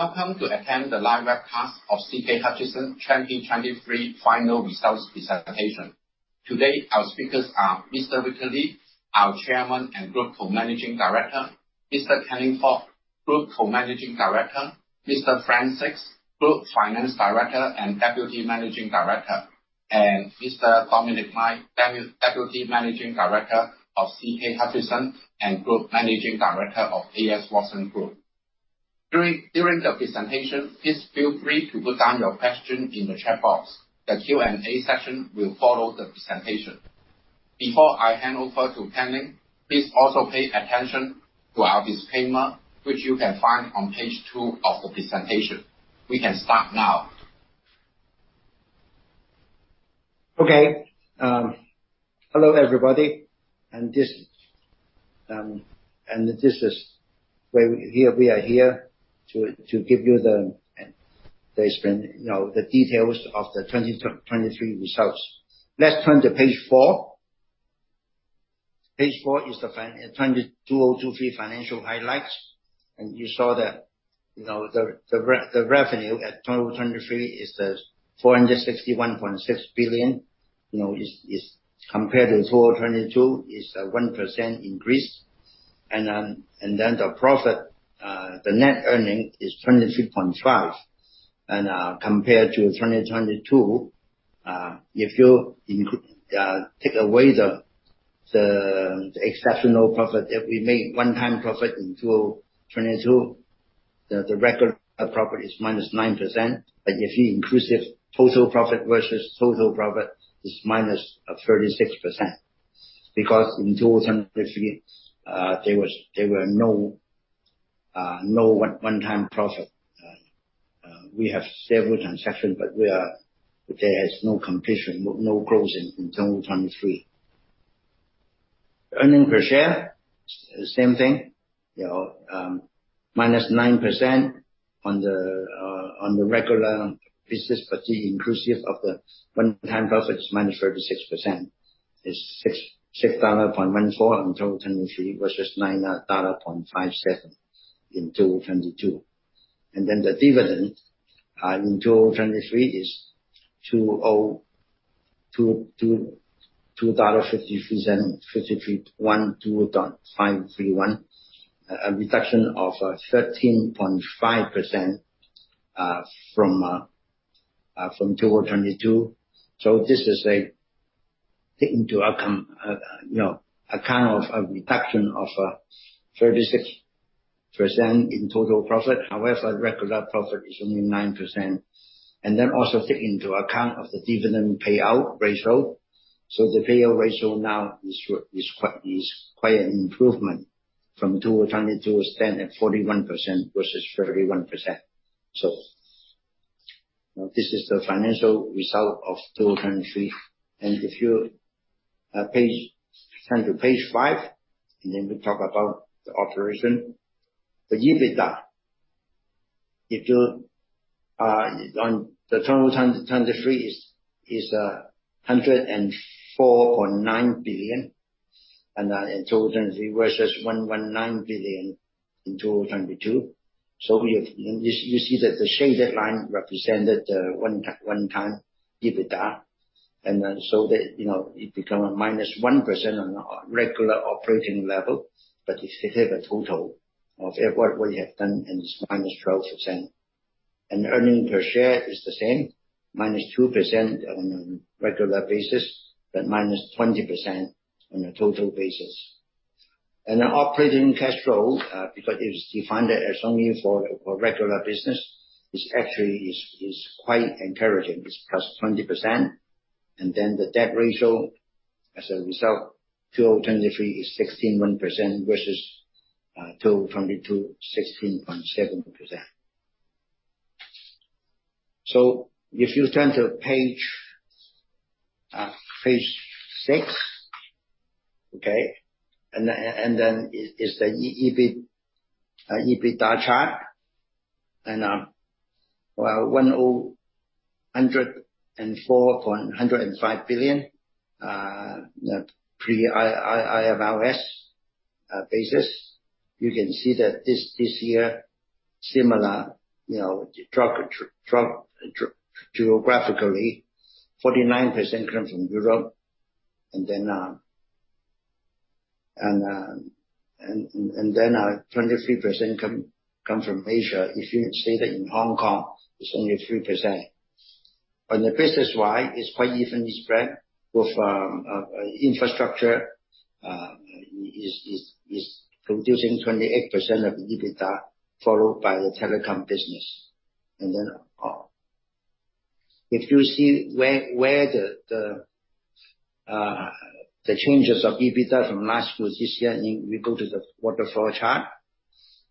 Welcome to attend the live webcast of CK Hutchison 2023 Final Results Presentation. Today our speakers are Mr. Victor Li, our Chairman and Group Co-Managing Director; Mr. Canning Fok, Group Co-Managing Director; Mr. Frank Sixt, Group Finance Director and Deputy Managing Director; and Mr. Dominic Lai, Deputy Managing Director of CK Hutchison and Group Managing Director of A.S. Watson Group. During the presentation, please feel free to put down your question in the chat box. The Q&A session will follow the presentation. Before I hand over to Canning, please also pay attention to our disclaimer, which you can find on page two of the presentation. We can start now. Okay. Hello everybody, and this is where we are here to give you the explanation, you know, the details of the 2023 results. Let's turn to page four. Page four is the FY 2023 financial highlights, and you saw that, you know, the revenue at 2023 is 461.6 billion, you know, compared to 2022 is 1% increased. And then the profit, the net earning is 23.5 billion, and compared to 2022, if you take away the exceptional one-time profit that we made in 2022, the regular profit is -9%, but if you include the total profit versus total profit, it's -36%. Because in 2023, there were no one-time profits. We had several transactions, but there was no completion, no closing in 2023. Earnings per share, same thing, you know, minus 9% on the regular business, but inclusive of the one-time profit is minus 36%. It's $6.14 in 2023 versus $9.57 in 2022. And then the dividend in 2023 is $2.531, a reduction of 13.5% from 2022. So this is a take into account, you know, account of a reduction of 36% in total profit. However, regular profit is only 9%. And then also take into account of the dividend payout ratio. So the payout ratio now is quite an improvement from 2022 stand at 41% versus 31%. So, you know, this is the financial result of 2023. And if you page turn to page five, and then we talk about the operation. The EBITDA on 2023 is $104.9 billion in 2023 versus $119 billion in 2022. So you see that the shaded line represented the one-time EBITDA, and then, you know, it become a -1% on a regular operating level, but it's a total of every what you have done, and it's -12%. And earnings per share is the same, -2% on a regular basis, but -20% on a total basis. And the operating cash flow, because it was defined as only for regular business, is actually quite encouraging. It's +20%. And then the debt ratio as a result, 2023 is 16.1% versus 2022, 16.7%. So if you turn to page six, okay, and then it's the EBIT, EBITDA chart, and, well, HKD 104.105 billion, the pre-IFRS 16 basis, you can see that this year, similar, you know, drop geographically, 49% come from Europe, and then 23% come from Asia. If you stay in Hong Kong, it's only 3%. On the business-wide, it's quite evenly spread with infrastructure is producing 28% of EBITDA, followed by the telecom business. And then, if you see where the changes of EBITDA from last to this year, if we go to the waterfall chart,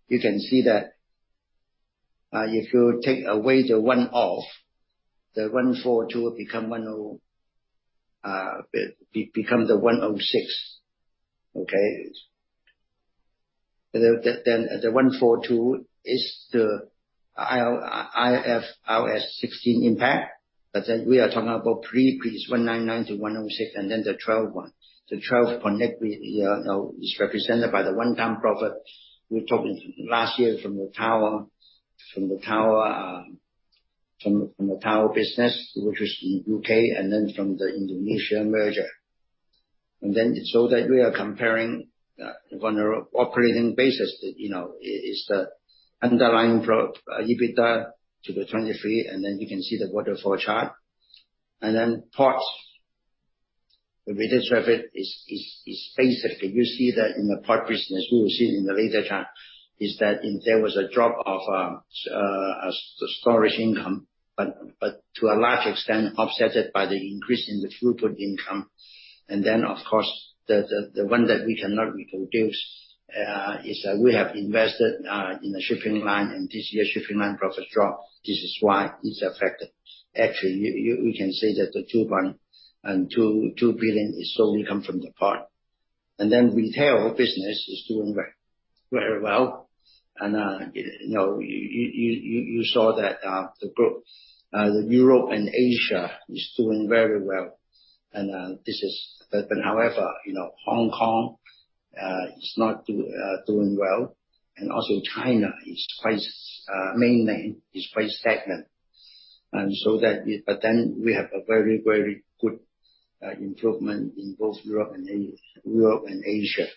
you can see that, if you take away the one-off, the 142 become 10, become the 106, okay? Then the 142 is the IFRS 16 impact, but then we are talking about pre it's 199 to 106, and then the 12 one. The 12 connects with, you know, is represented by the one-time profit we talked last year from the tower business, which was in the U.K., and then from the Indonesia merger. So that we are comparing, on an operating basis, you know, it's the underlying pro EBITDA to the 23, and then you can see the waterfall chart. Then ports, the profit is basically you see that in the port business, we will see it in the later chart, is that if there was a drop in storage income, but to a large extent offset by the increase in the throughput income. And then, of course, the one that we cannot reproduce is we have invested in a shipping line, and this year shipping line profits drop. This is why it's affected. Actually, you can see that the 2.2 billion is solely come from the port. And then retail business is doing very, very well, and, you know, you saw that the group, Europe and Asia is doing very well, and, this is but, but however, you know, Hong Kong is not doing well, and also Mainland China is quite stagnant. And so, but then we have a very, very good improvement in both Europe and Asia.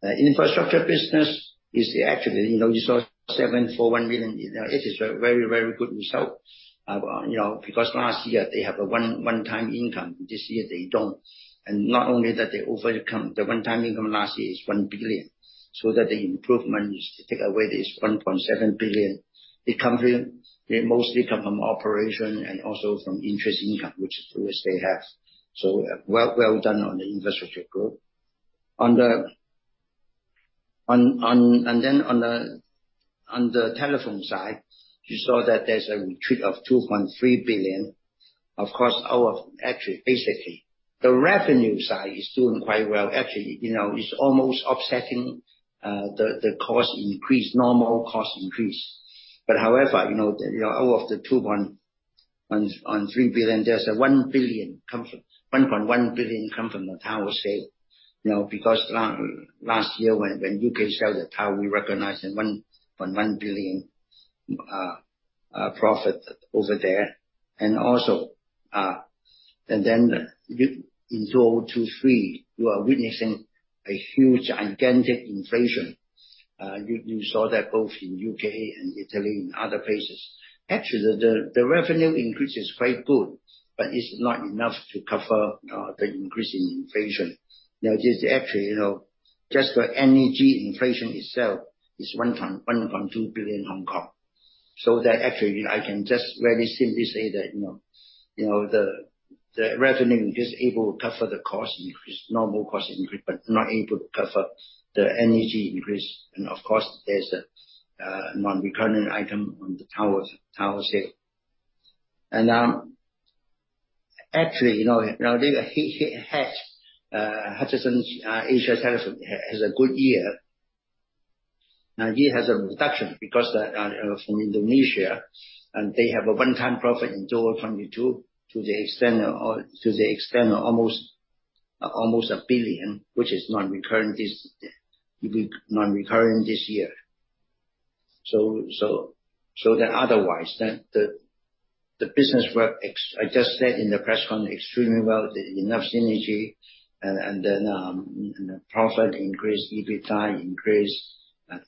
The infrastructure business is actually, you know, you saw 741 million, you know, it is a very, very good result, you know, because last year they have a one-time income. This year they don't. And not only that they overcome the one-time income last year is 1 billion, so that the improvement is take away this 1.7 billion. It come from it mostly come from operation and also from interest income, which they have. So well done on the infrastructure group. On the telephone side, you saw that there's a retreat of 2.3 billion. Of course, actually, basically, the revenue side is doing quite well. Actually, you know, it's almost offsetting, the cost increase, normal cost increase. However, you know, you know, out of the 2.1 billion, 1.3 billion, there's a 1 billion come from 1.1 billion come from the tower sale, you know, because last year when UK sell the tower, we recognized a 1.1 billion profit over there. And also, and then you in 2023, you are witnessing a huge, gigantic inflation. You saw that both in U.K. and Italy and other places. Actually, the revenue increase is quite good, but it's not enough to cover the increase in inflation. You know, this actually, you know, just for energy inflation itself is 1.12 billion Hong Kong. So that actually, you know, I can just very simply say that, you know, you know, the revenue is able to cover the cost increase, normal cost increase, but not able to cover the energy increase. Of course, there's a non-recurring item on the tower sale. And actually, you know, now they, the Hutchison Asia Telecom has a good year. He has a reduction because that from Indonesia, and they have a one-time profit in 2022 to the extent of almost 1 billion, which is non-recurring this year. So otherwise, that the business worked ex- as I just said in the press con extremely well, [with] enough synergy, and then the profit increase, EBITDA increase,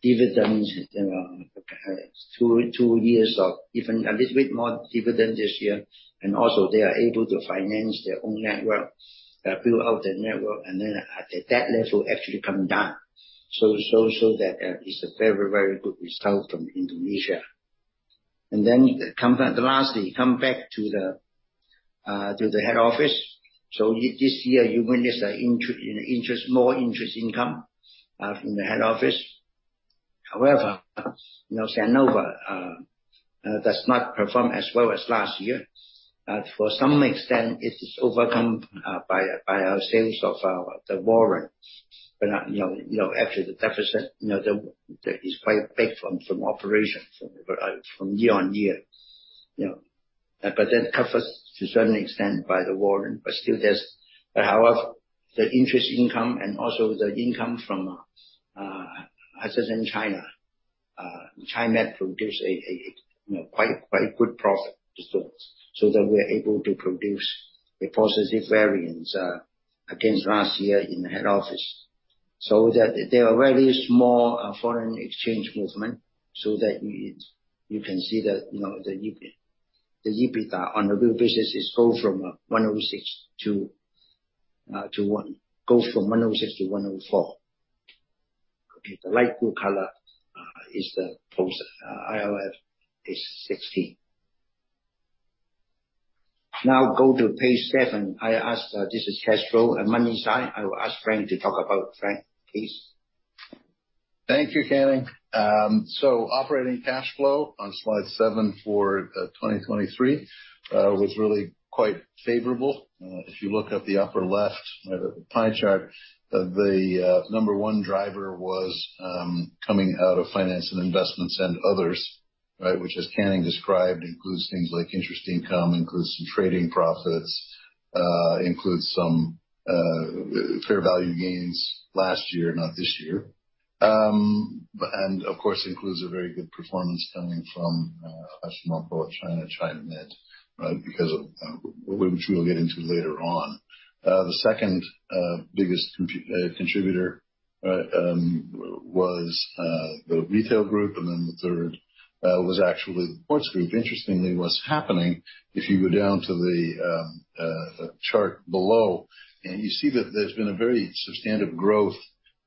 dividends, you know, two years of even a little bit more dividend this year. And also they are able to finance their own network, build out their network, and then the debt level actually came down. So it's a very, very good result from Indonesia. Then, lastly, come back to the head office. So, this year, you witnessed an increase, you know, in interest, more interest income from the head office. However, you know, Cenovus does not perform as well as last year. To some extent, it is overcome by our sales of the warrant, but, you know, actually the deficit, you know, is quite big from operation, from year on year, you know. But it covers to a certain extent by the warrant, but still, however, the interest income and also the income from Hutchison China produced a, you know, quite good profit. So, that we are able to produce a positive variance against last year in the head office. So that there are very small foreign exchange movement, so that you, you can see that, you know, the EBITDA on the real business is go from 106 to 104. Okay. The light blue color is the post IFRS 16. Now go to page seven. I asked, this is cash flow on money side. I will ask Frank to talk about it. Frank, please. Thank you, Canning. So operating cash flow on slide seven for 2023 was really quite favorable. If you look up the upper left, the pie chart, the number one driver was coming out of finance and investments and others, right, which, as Canning described, includes things like interest income, includes some trading profits, includes some fair value gains last year, not this year. And of course, includes a very good performance coming from Hutchison Whampoa (China), Chi-Med, right, because of which we'll get into later on. The second biggest component contributor, right, was the retail group, and then the third was actually the ports group. Interestingly, what's happening, if you go down to the chart below, and you see that there's been a very substantive growth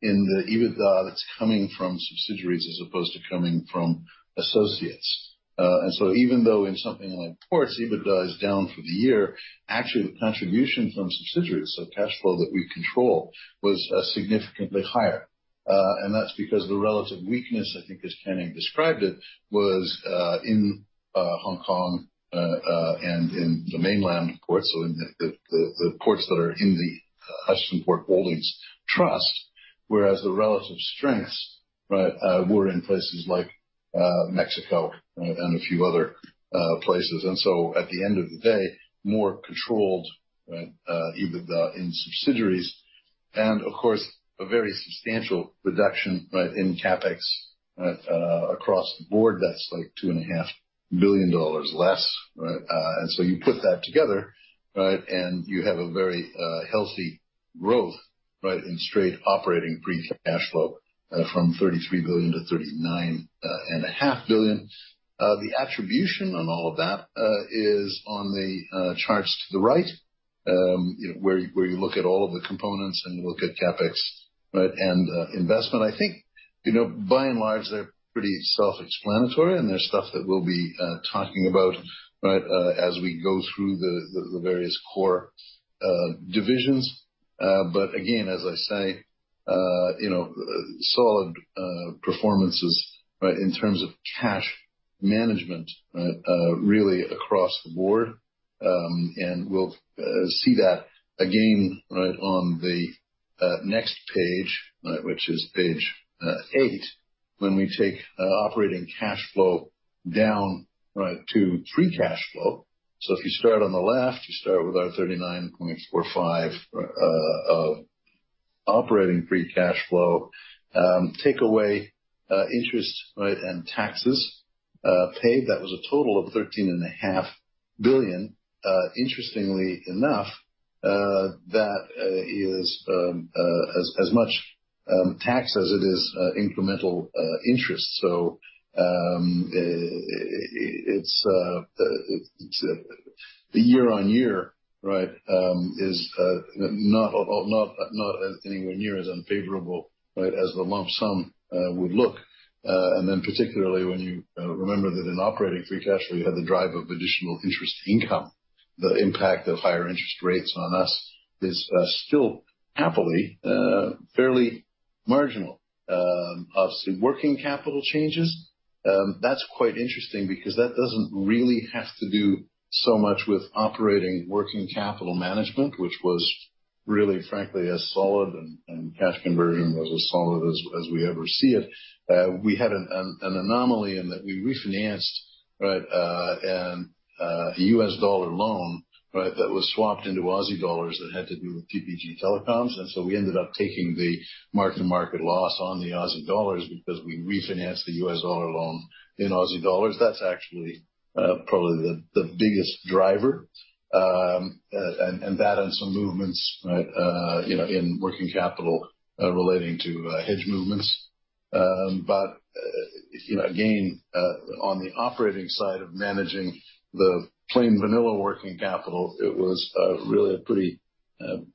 in the EBITDA that's coming from subsidiaries as opposed to coming from associates. And so even though in something like ports, EBITDA is down for the year, actually the contribution from subsidiaries, so cash flow that we control, was significantly higher. And that's because the relative weakness, I think, as Canning described it, was in Hong Kong and in the mainland ports, so in the ports that are in the Hutchison Port Holdings Trust, whereas the relative strengths, right, were in places like Mexico, right, and a few other places. And so at the end of the day, more controlled, right, EBITDA in subsidiaries, and of course, a very substantial reduction, right, in Capex, right, across the board. That's like $2.5 billion less, right? And so you put that together, right, and you have a very healthy growth, right, in straight operating free cash flow, from 33 billion to 39.5 billion. The attribution on all of that is on the charts to the right, you know, where you look at all of the components and look at CapEx, right, and investment. I think, you know, by and large, they're pretty self-explanatory, and there's stuff that we'll be talking about, right, as we go through the various core divisions. But again, as I say, you know, solid performances, right, in terms of cash management, right, really across the board. And we'll see that again, right, on the next page, right, which is page eight, when we take operating cash flow down, right, to free cash flow. So if you start on the left, you start with our HK$39.45 of operating free cash flow, take away interest, right, and taxes paid. That was a total of 13.5 billion, interestingly enough, that is as much tax as it is incremental interest. So, it's the year-on-year, right, is not anywhere near as unfavorable, right, as the lump sum would look. And then, particularly when you remember that in operating free cash flow, you had the drive of additional interest income. The impact of higher interest rates on us is still happily fairly marginal. Obviously, working capital changes, that's quite interesting because that doesn't really have to do so much with operating working capital management, which was really, frankly, solid, and cash conversion was as solid as we ever see it. We had an anomaly in that we refinanced, right, a US dollar loan, right, that was swapped into Aussie dollars that had to do with TPG Telecom. So we ended up taking the mark-to-market loss on the Aussie dollars because we refinanced the US dollar loan in Aussie dollars. That's actually, probably the biggest driver, and that and some movements, right, you know, in working capital, relating to hedge movements. But you know, again, on the operating side of managing the plain vanilla working capital, it was really a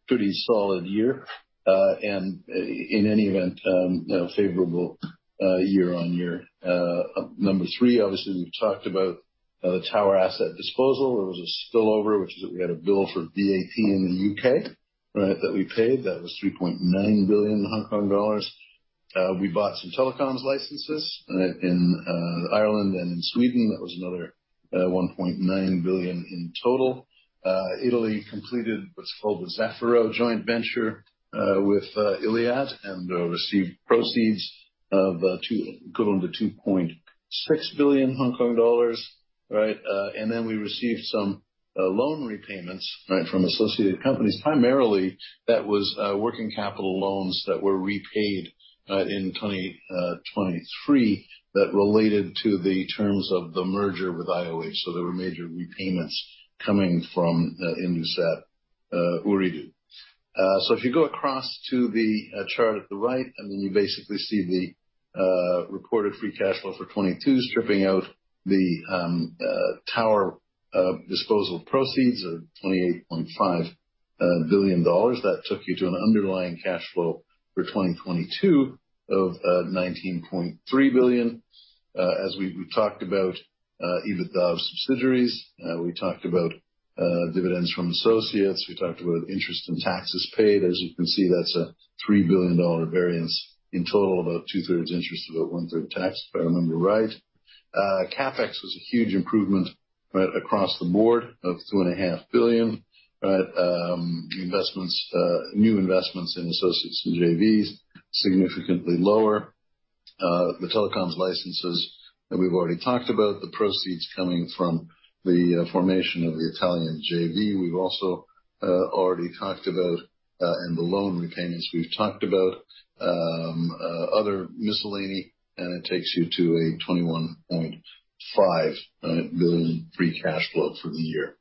pretty solid year, and in any event, you know, favorable year-on-year. Number three, obviously, we've talked about the tower asset disposal. There was a spillover, which is that we had a bill for VAT in the U.K., right, that we paid. That was 3.9 billion dollars. We bought some telecoms licenses, right, in Ireland and in Sweden. That was another 1.9 billion in total. Italy completed what's called the Zefiro joint venture with Iliad and received proceeds of 2.6 billion Hong Kong dollars, right? And then we received some loan repayments, right, from associated companies. Primarily, that was working capital loans that were repaid, right, in 2023 that related to the terms of the merger with IOH. So there were major repayments coming from Indosat, Ooredoo. So if you go across to the chart at the right, and then you basically see the reported free cash flow for 2022 stripping out the tower disposal proceeds of 28.5 billion dollars. That took you to an underlying cash flow for 2022 of 19.3 billion. As we talked about EBITDA of subsidiaries, we talked about dividends from associates. We talked about interest and taxes paid. As you can see, that's a $3 billion variance in total, about two-thirds interest, about one-third tax, if I remember right. CapEx was a huge improvement, right, across the board of $2.5 billion, right? Investments, new investments in associates and JVs, significantly lower. The telecoms licenses that we've already talked about, the proceeds coming from the formation of the Italian JV, we've also already talked about, and the loan repayments we've talked about, other miscellaneous, and it takes you to a $21.5 billion free cash flow for the year.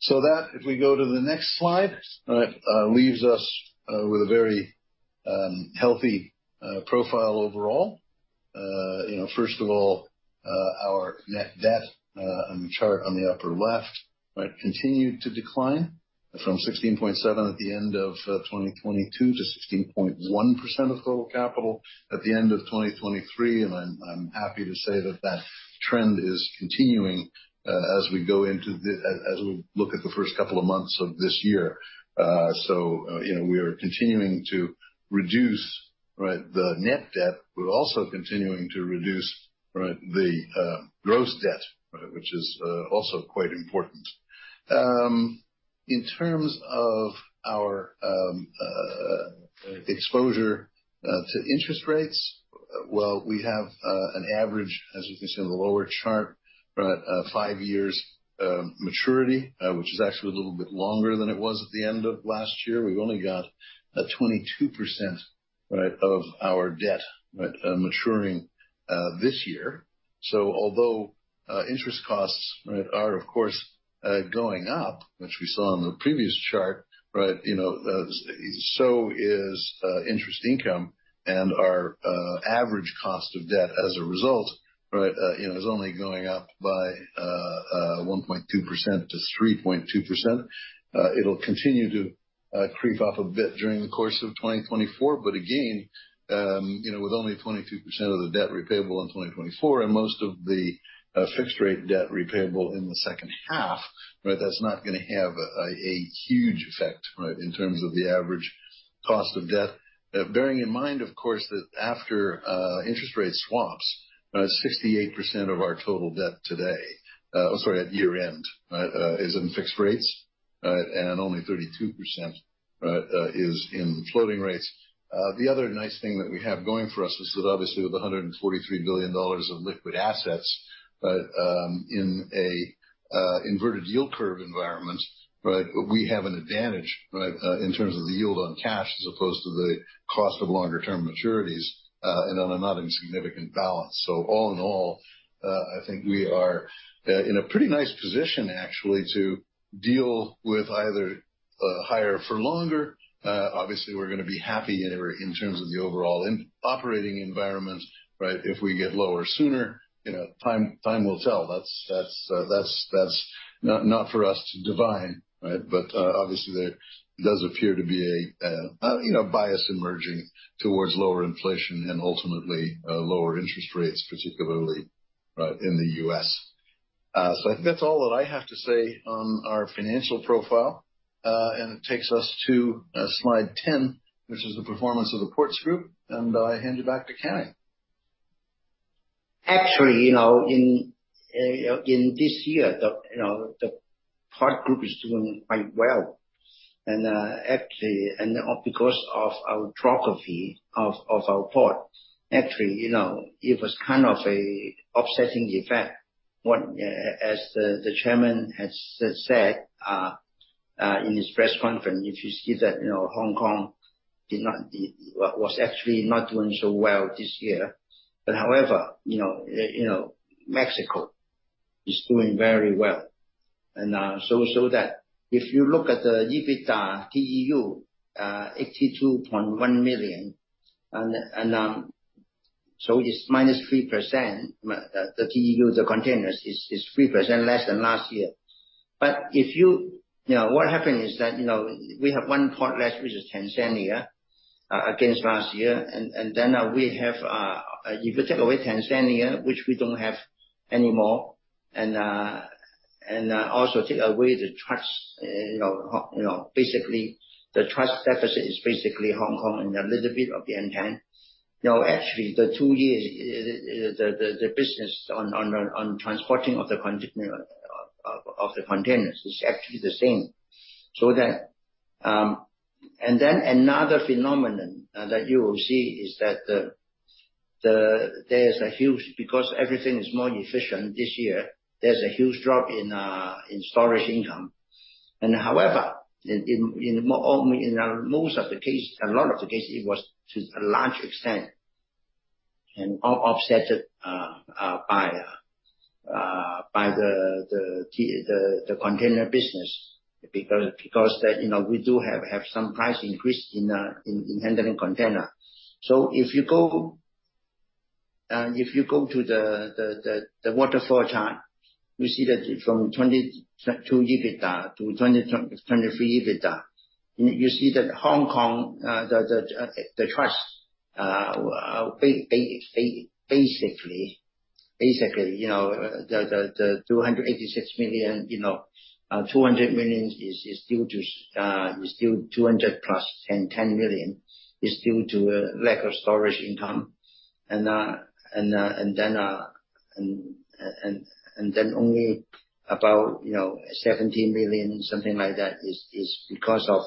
So that, if we go to the next slide, right, leaves us with a very healthy profile overall. You know, first of all, our net debt, on the chart on the upper left, right, continued to decline from 16.7% at the end of 2022 to 16.1% of total capital at the end of 2023. I'm happy to say that that trend is continuing, as we go into the, as we look at the first couple of months of this year. So, you know, we are continuing to reduce, right, the net debt, but also continuing to reduce, right, the gross debt, right, which is also quite important. In terms of our exposure to interest rates, well, we have an average, as you can see on the lower chart, right, five years maturity, which is actually a little bit longer than it was at the end of last year. We've only got 22%, right, of our debt, right, maturing this year. So although interest costs, right, are, of course, going up, which we saw on the previous chart, right, you know, so is interest income and our average cost of debt as a result, right, you know, is only going up by 1.2%-3.2%. It'll continue to creep up a bit during the course of 2024. But again, you know, with only 22% of the debt repayable in 2024 and most of the fixed-rate debt repayable in the second half, right, that's not going to have a huge effect, right, in terms of the average cost of debt. Bearing in mind, of course, that after interest rate swaps, right, 68% of our total debt today, oh, sorry, at year-end, right, is in fixed rates, right, and only 32%, right, is in floating rates. The other nice thing that we have going for us is that obviously, with $143 billion of liquid assets, right, in a inverted yield curve environment, right, we have an advantage, right, in terms of the yield on cash as opposed to the cost of longer-term maturities, and on a not insignificant balance. So all in all, I think we are in a pretty nice position, actually, to deal with either higher for longer. Obviously, we're going to be happy anyway in terms of the overall operating environment, right, if we get lower sooner. You know, time, time will tell. That's, that's, that's, that's not, not for us to divine, right? But obviously, there does appear to be a, you know, bias emerging towards lower inflation and ultimately, lower interest rates, particularly, right, in the U.S. I think that's all that I have to say on our financial profile. It takes us to slide 10, which is the performance of the ports group. I hand you back to Canning. Actually, you know, in this year, you know, the port group is doing quite well. And actually, because of our geography of our port, actually, you know, it was kind of an upsetting effect. As the chairman had said, in his press conference, if you see that, you know, Hong Kong was actually not doing so well this year. But however, you know, Mexico is doing very well. And so that if you look at the EBITDA, TEU 82.1 million, and so it's -3%, the TEU, the containers, is 3% less than last year. But if you, you know, what happened is that, you know, we have one port left, which is Tanzania, against last year. If you take away Tanzania, which we don't have anymore, and also take away the trust, you know, basically, the trust deficit is basically Hong Kong and a little bit of the Yantian. Now, actually, the two years, the business on transporting of the containers is actually the same. So that, and then another phenomenon that you will see is that there's a huge drop in storage income because everything is more efficient this year. However, in most of the cases, a lot of the cases, it was to a large extent offset by the container business because, you know, we do have some price increase in handling containers. So if you go to the waterfall chart, you see that from 2022 EBITDA to 2023 EBITDA, you see that Hong Kong, the trust, basically, you know, the 286 million, you know, 200 million is due to 200 million plus 10 million is due to a lack of storage income. And then only about, you know, HKD 17 million, something like that, is because of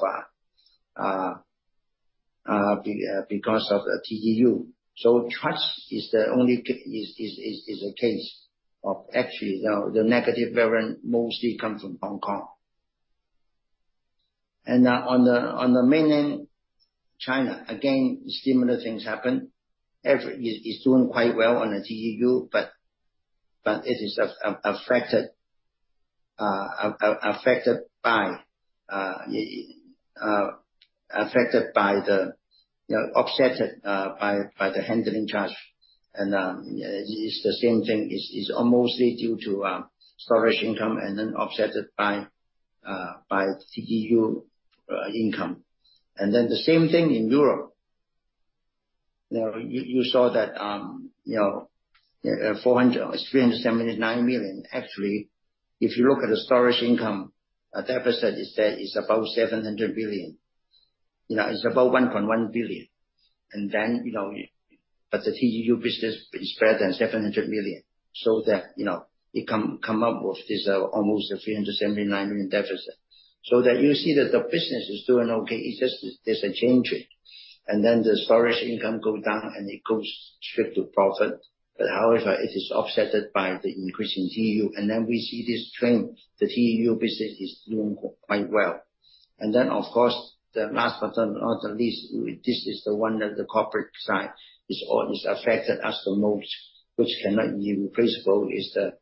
the TEU. So the trust is the only case of actually, you know, the negative variant mostly comes from Hong Kong. And on the Mainland China, again, similar things happen. Everything is doing quite well on the TEU, but it is affected by the, you know, offset by the handling charge. And it's the same thing. It's almost due to storage income and then offset by TEU income. And then the same thing in Europe. Now, you saw that, you know, 379 million, actually, if you look at the storage income, a deficit is that it's about 700 million. You know, it's about 1.1 billion. And then, you know, but the TEU business is better than 700 million. So that, you know, it comes up with this almost a 379 million deficit. So that you see that the business is doing okay. It's just there's an exchange rate. And then the storage income goes down, and it goes straight to profit. But however, it is offset by the increase in TEU. And then we see this trend. The TEU business is doing quite well. And then, of course, the last but not the least, this is the one that the corporate side is all affected as the most, which cannot be replaced, is the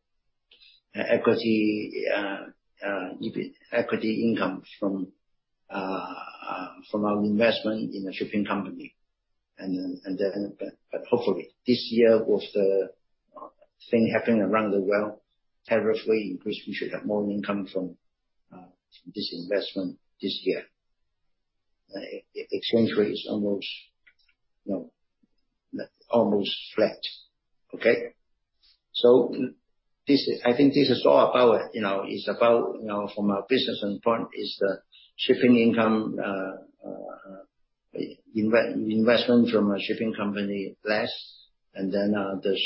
equity income from our investment in a shipping company. And then but hopefully, this year, with the things happening around the world, tariff rate increase, we should have more income from this investment this year. Exchange rate is almost, you know, almost flat, okay? So this is, I think, all about it, you know, from our business standpoint, is the shipping income investment from a shipping company less, and then the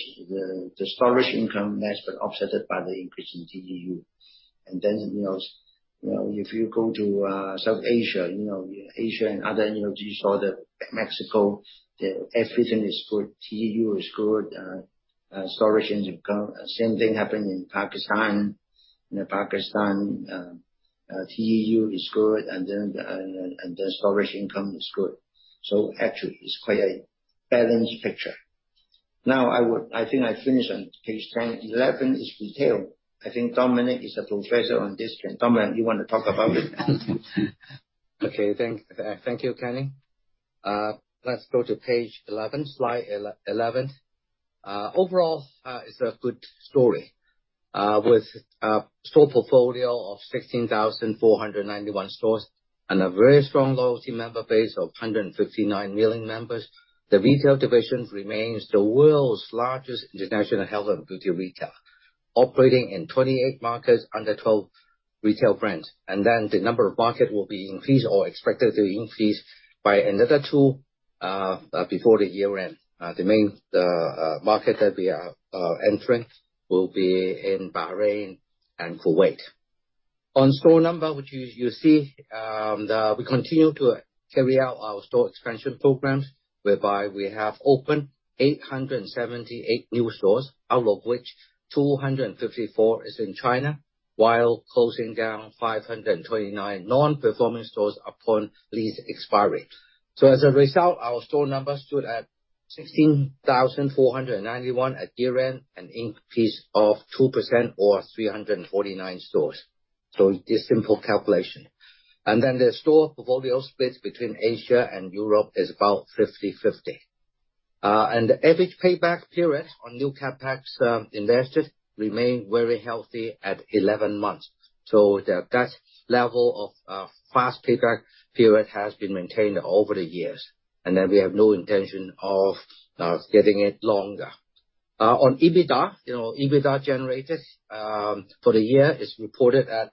storage income less but offset by the increase in TEU. And then, you know, you know, if you go to South Asia, you know, Asia and other, you know, you saw that Mexico, everything is good. TEU is good. Storage income same thing happened in Pakistan. In Pakistan, TEU is good, and then, and then storage income is good. So actually, it's quite a balanced picture. Now, I would I think I finished on page 10. 11 is retail. I think Dominic is a professor on this chair. Dominic, you want to talk about it? Okay. Thank you, Canning. Let's go to page 11, slide 11. Overall, it's a good story. With a store portfolio of 16,491 stores and a very strong loyalty member base of 159 million members, the retail division remains the world's largest international health and beauty retailer, operating in 28 markets under 12 retail brands. And then the number of markets will be increased or expected to increase by another two, before the year-end. The main market that we are entering will be in Bahrain and Kuwait. On store number, which you see, we continue to carry out our store expansion programs, whereby we have opened 878 new stores, out of which 254 is in China, while closing down 529 non-performing stores upon lease expiry. So as a result, our store number stood at 16,491 at year-end and increased of 2% or 349 stores. So this simple calculation. Then the store portfolio split between Asia and Europe is about 50/50. And the average payback period on new Capex invested remained very healthy at 11 months. So that level of fast payback period has been maintained over the years. Then we have no intention of getting it longer. On EBITDA, you know, EBITDA generated for the year is reported at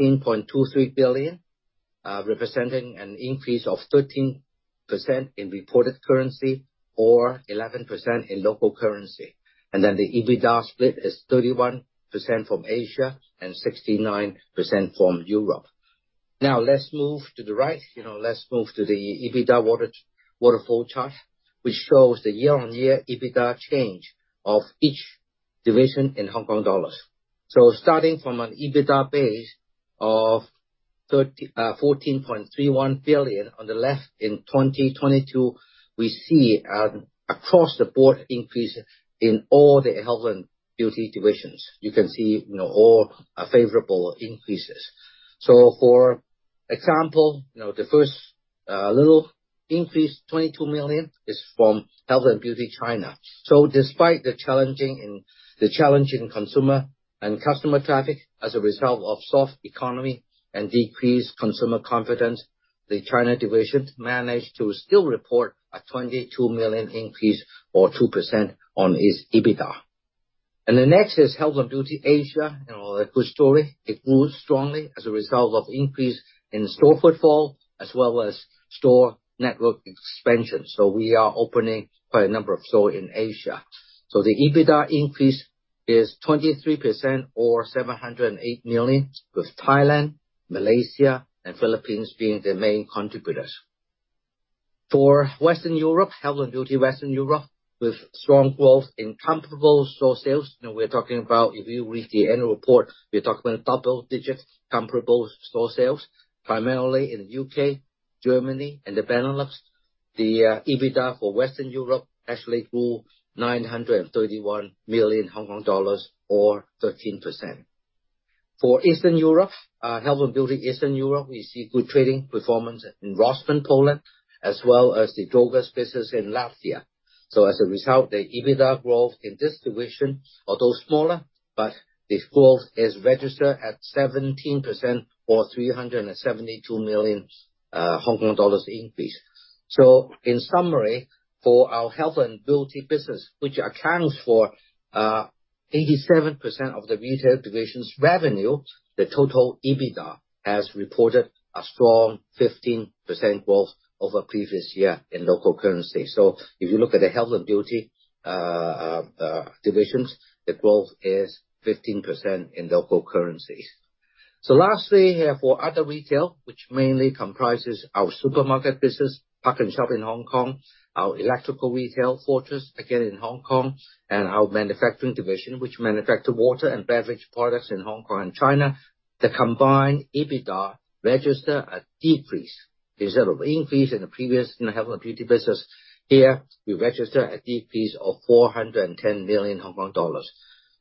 16.23 billion, representing an increase of 13% in reported currency or 11% in local currency. Then the EBITDA split is 31% from Asia and 69% from Europe. Now, let's move to the right. You know, let's move to the EBITDA waterfall chart, which shows the year-on-year EBITDA change of each division in Hong Kong dollars. So starting from an EBITDA base of 14.31 billion on the left, in 2022, we see across the board increase in all the health and beauty divisions. You can see, you know, all favorable increases. So for example, you know, the first little increase, 22 million, is from health and beauty, China. So despite the challenging consumer and customer traffic as a result of soft economy and decreased consumer confidence, the China division managed to still report a 22 million increase or 2% on its EBITDA. And the next is health and beauty, Asia. You know, a good story. It grew strongly as a result of increase in store footfall as well as store network expansion. So we are opening quite a number of stores in Asia. So the EBITDA increase is 23% or 708 million, with Thailand, Malaysia, and Philippines being the main contributors. For Western Europe, health and beauty, Western Europe, with strong growth in comparable store sales, you know, we're talking about if you read the annual report, we're talking about double-digit comparable store sales, primarily in the UK, Germany, and the Benelux. The EBITDA for Western Europe actually grew 931 million Hong Kong dollars or 13%. For Eastern Europe, health and beauty, Eastern Europe, we see good trading performance in Rossmann, Poland, as well as the Drogas business in Latvia. So as a result, the EBITDA growth in this division, although smaller, but this growth is registered at 17% or 372 million Hong Kong dollars increase. So in summary, for our health and beauty business, which accounts for 87% of the retail division's revenue, the total EBITDA has reported a strong 15% growth over previous year in local currency. So if you look at the health and beauty divisions, the growth is 15% in local currencies. So lastly, here for other retail, which mainly comprises our supermarket business, PARKnSHOP in Hong Kong, our electrical retail Fortress, again, in Hong Kong, and our manufacturing division, which manufactures water and beverage products in Hong Kong and China, the combined EBITDA registered a decrease instead of an increase in the previous, you know, health and beauty business. Here, we registered a decrease of 410 million Hong Kong dollars.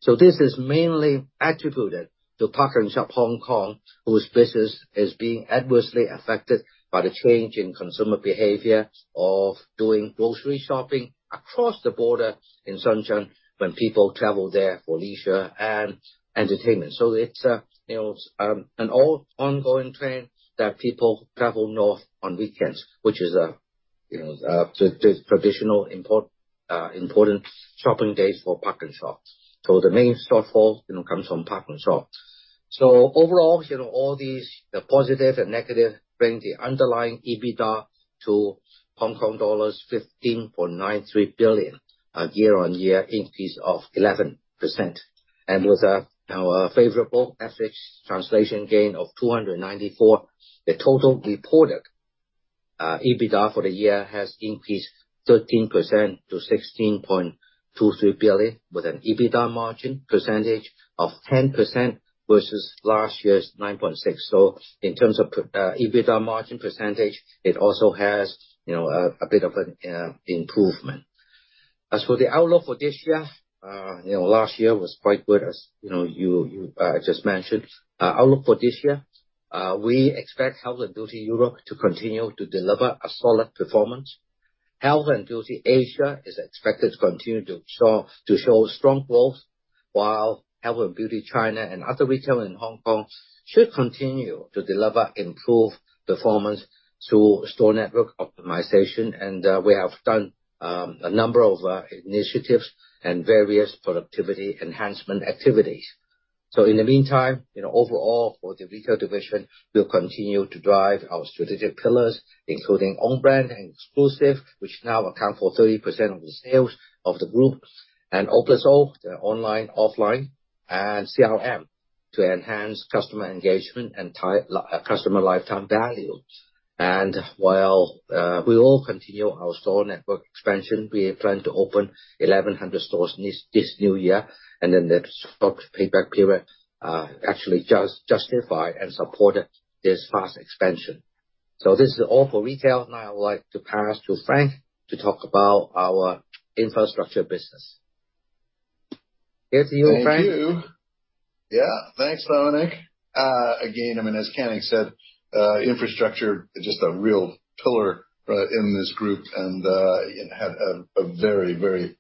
So this is mainly attributed to PARKnSHOP Hong Kong, whose business is being adversely affected by the change in consumer behavior of doing grocery shopping across the border in Shenzhen when people travel there for leisure and entertainment. So it's a, you know, an all-ongoing trend that people travel north on weekends, which is a, you know, traditional important, important shopping days for PARKnSHOP. So the main stock fall, you know, comes from PARKnSHOP. So overall, you know, all these positive and negative bring the underlying EBITDA to Hong Kong dollars 15.93 billion, a year-on-year increase of 11%. And with our favorable average translation gain of 294 million, the total reported EBITDA for the year has increased 13% to 16.23 billion, with an EBITDA margin percentage of 10% versus last year's 9.6%. So in terms of EBITDA margin percentage, it also has, you know, a bit of an improvement. As for the outlook for this year, you know, last year was quite good, as, you know, you just mentioned. Outlook for this year, we expect health and beauty Europe to continue to deliver a solid performance. Health and beauty Asia is expected to continue to show strong growth, while health and beauty China and other retail in Hong Kong should continue to deliver improved performance through store network optimization. We have done a number of initiatives and various productivity enhancement activities. So in the meantime, you know, overall, for the retail division, we'll continue to drive our strategic pillars, including on-brand and exclusive, which now account for 30% of the sales of the group, and O+O, the online, offline, and CRM to enhance customer engagement and tie customer lifetime value. While we all continue our store network expansion, we plan to open 1,100 stores this new year, and then the store payback period actually justify and support this fast expansion. So this is all for retail. Now, I would like to pass to Frank to talk about our infrastructure business. Here to you, Frank. Thank you. Yeah, thanks, Dominic. Again, I mean, as Canning said, infrastructure, just a real pillar, in this group and, had a very, very,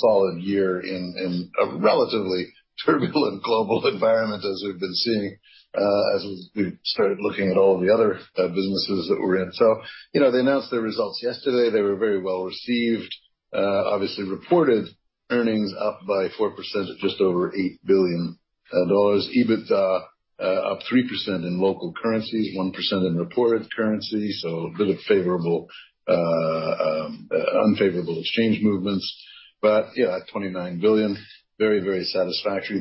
solid year in, in a relatively turbulent global environment, as we've been seeing, as we've started looking at all of the other, businesses that we're in. So, you know, they announced their results yesterday. They were very well received, obviously reported earnings up by 4% at just over 8 billion dollars EBITDA, up 3% in local currencies, 1% in reported currency. So a bit of unfavorable exchange movements. But, yeah, 29 billion, very, very satisfactory.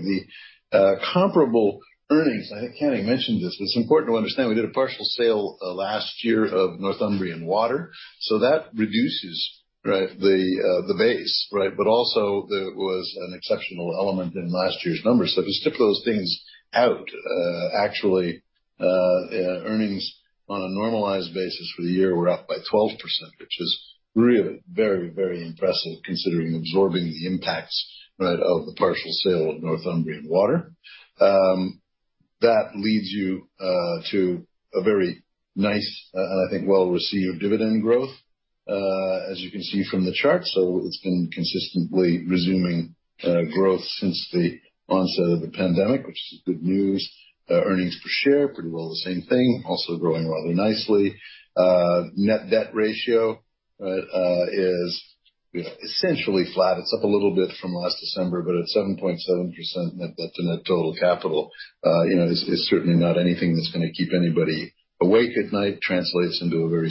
The, comparable earnings I think Canning mentioned this, but it's important to understand we did a partial sale, last year of Northumbrian Water. So that reduces, right, the, the base, right? But also, there was an exceptional element in last year's numbers. So if you strip those things out, actually, earnings on a normalized basis for the year were up by 12%, which is really very, very impressive considering absorbing the impacts, right, of the partial sale of Northumbrian Water. That leads you to a very nice, and I think well-received, dividend growth, as you can see from the chart. So it's been consistently resuming growth since the onset of the pandemic, which is good news. Earnings per share, pretty well the same thing, also growing rather nicely. Net debt ratio, right, is, you know, essentially flat. It's up a little bit from last December, but at 7.7% net debt to net total capital, you know, is certainly not anything that's going to keep anybody awake at night. Translates into a very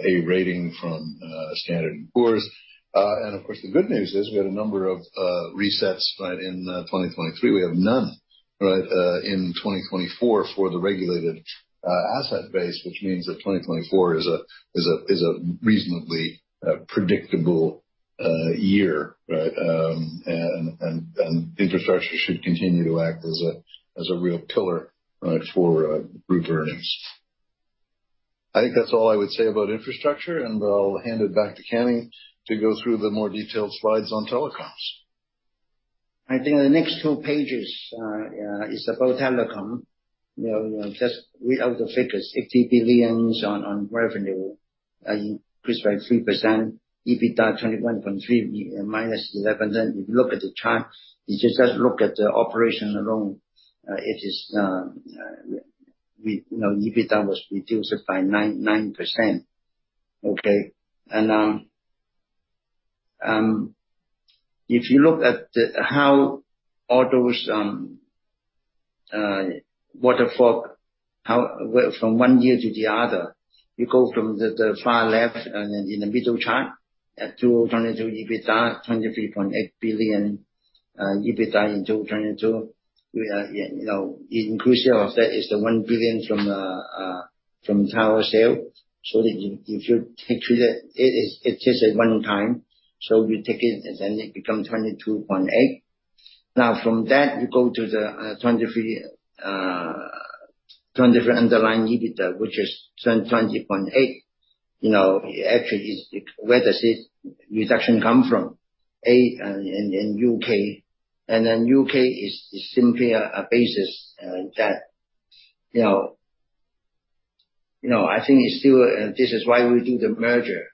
stable A rating from Standard & Poor's. Of course, the good news is we had a number of resets, right, in 2023. We have none, right, in 2024 for the regulated asset base, which means that 2024 is a reasonably predictable year, right? Infrastructure should continue to act as a real pillar, right, for group earnings. I think that's all I would say about infrastructure, and I'll hand it back to Canning to go through the more detailed slides on telecoms. I think the next two pages is about telecom. You know, just read out the figures. 80 billion on revenue, increased by 3%. EBITDA 21.3 billion -11%. If you look at the chart, if you just look at the operation alone, it is, you know, EBITDA was reduced by 9%, okay? If you look at how all those waterfall, how from one year to the other, you go from the far left and then in the middle chart at 2022, EBITDA HKD 23.8 billion. EBITDA in 2022, you know, the inclusion of that is the 1 billion from tower sale. So that if you take it, it is it takes a one time. So you take it and then it becomes 22.8 billion. Now, from that, you go to the 2023 underlying EBITDA, which is 20.8 billion. You know, actually, where does this reduction come from? In U.K. And then U.K. is simply a basis, that you know, I think it's still this is why we do the merger.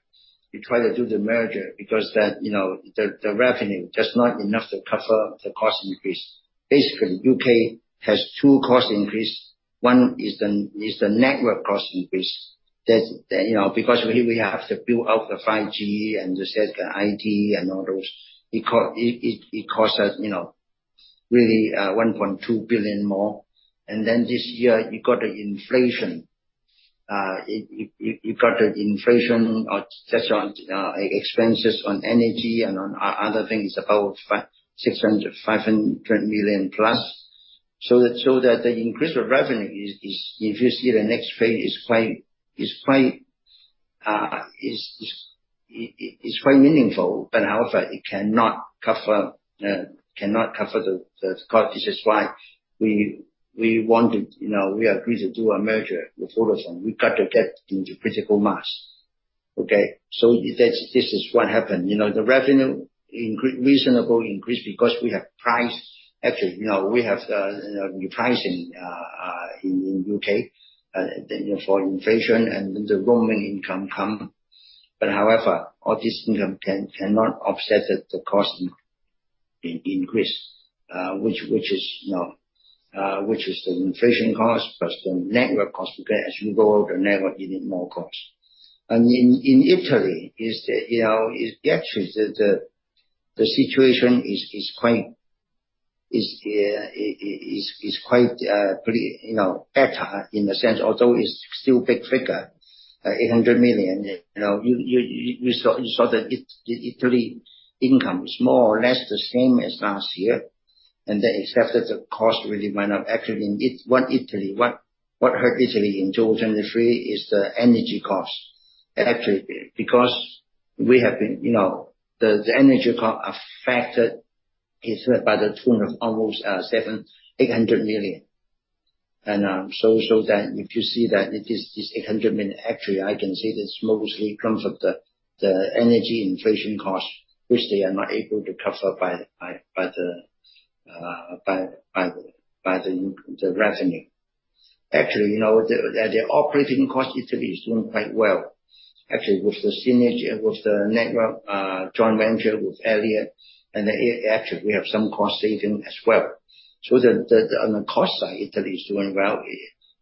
We try to do the merger because that, you know, the revenue just not enough to cover the cost increase. Basically, U.K. has two cost increases. One is the network cost increase that, you know, because we have to build out the 5G and the second IT and all those. It costs us, you know, really, 1.2 billion more. And then this year, you got the inflation. You got the inflation or just on expenses on energy and on other things, about 500 million plus. So that the increase of revenue is, if you see the next page, it's quite meaningful. But however, it cannot cover the cost. This is why we want to, you know, we agree to do a merger with Vodafone. We got to get into critical mass, okay? So that's what happened. You know, the revenue increase reasonable increase because we have price actually, you know, we have, you know, repricing, in the U.K., you know, for inflation and then the roaming income come. But however, all this income cannot offset the cost increase, which is the inflation cost plus the network cost. Because as you go out the network, you need more cost. In Italy, you know, the situation is actually quite, it's quite pretty, you know, better in a sense, although it's still a big figure, 800 million. You know, you saw that Italy income is more or less the same as last year. And then except that the cost really might not actually in what Italy what hurt Italy in 2023 is the energy cost, actually, because we have been, you know, the energy cost affected is by the tune of almost 7,800 million. And so that if you see that it is this 800 million, actually, I can see that it's mostly come from the energy inflation cost, which they are not able to cover by the revenue. Actually, you know, the operating cost, Italy is doing quite well, actually, with the synergy with the network, joint venture with Iliad. And then actually, we have some cost saving as well. So on the cost side, Italy is doing well.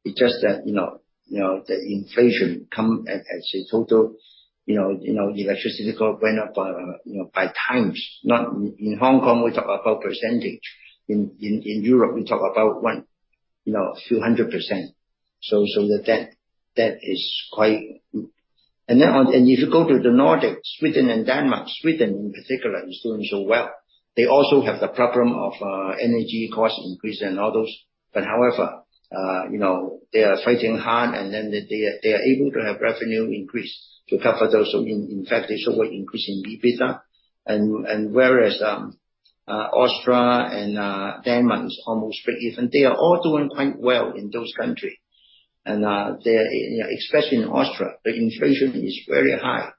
It's just that, you know, the inflation come at the total, you know, electricity cost went up by, you know, by times. Not in Hong Kong, we talk about percentage. In Europe, we talk about one, you know, few hundred percent. So that is quite, and then if you go to the Nordics, Sweden and Denmark, Sweden in particular is doing so well. They also have the problem of energy cost increase and all those. However, you know, they are fighting hard and then they are able to have revenue increase to cover those. So in fact, they saw an increase in EBITDA. And whereas Austria and Denmark is almost break-even. They are all doing quite well in those countries. And they are especially in Austria, the inflation is very high.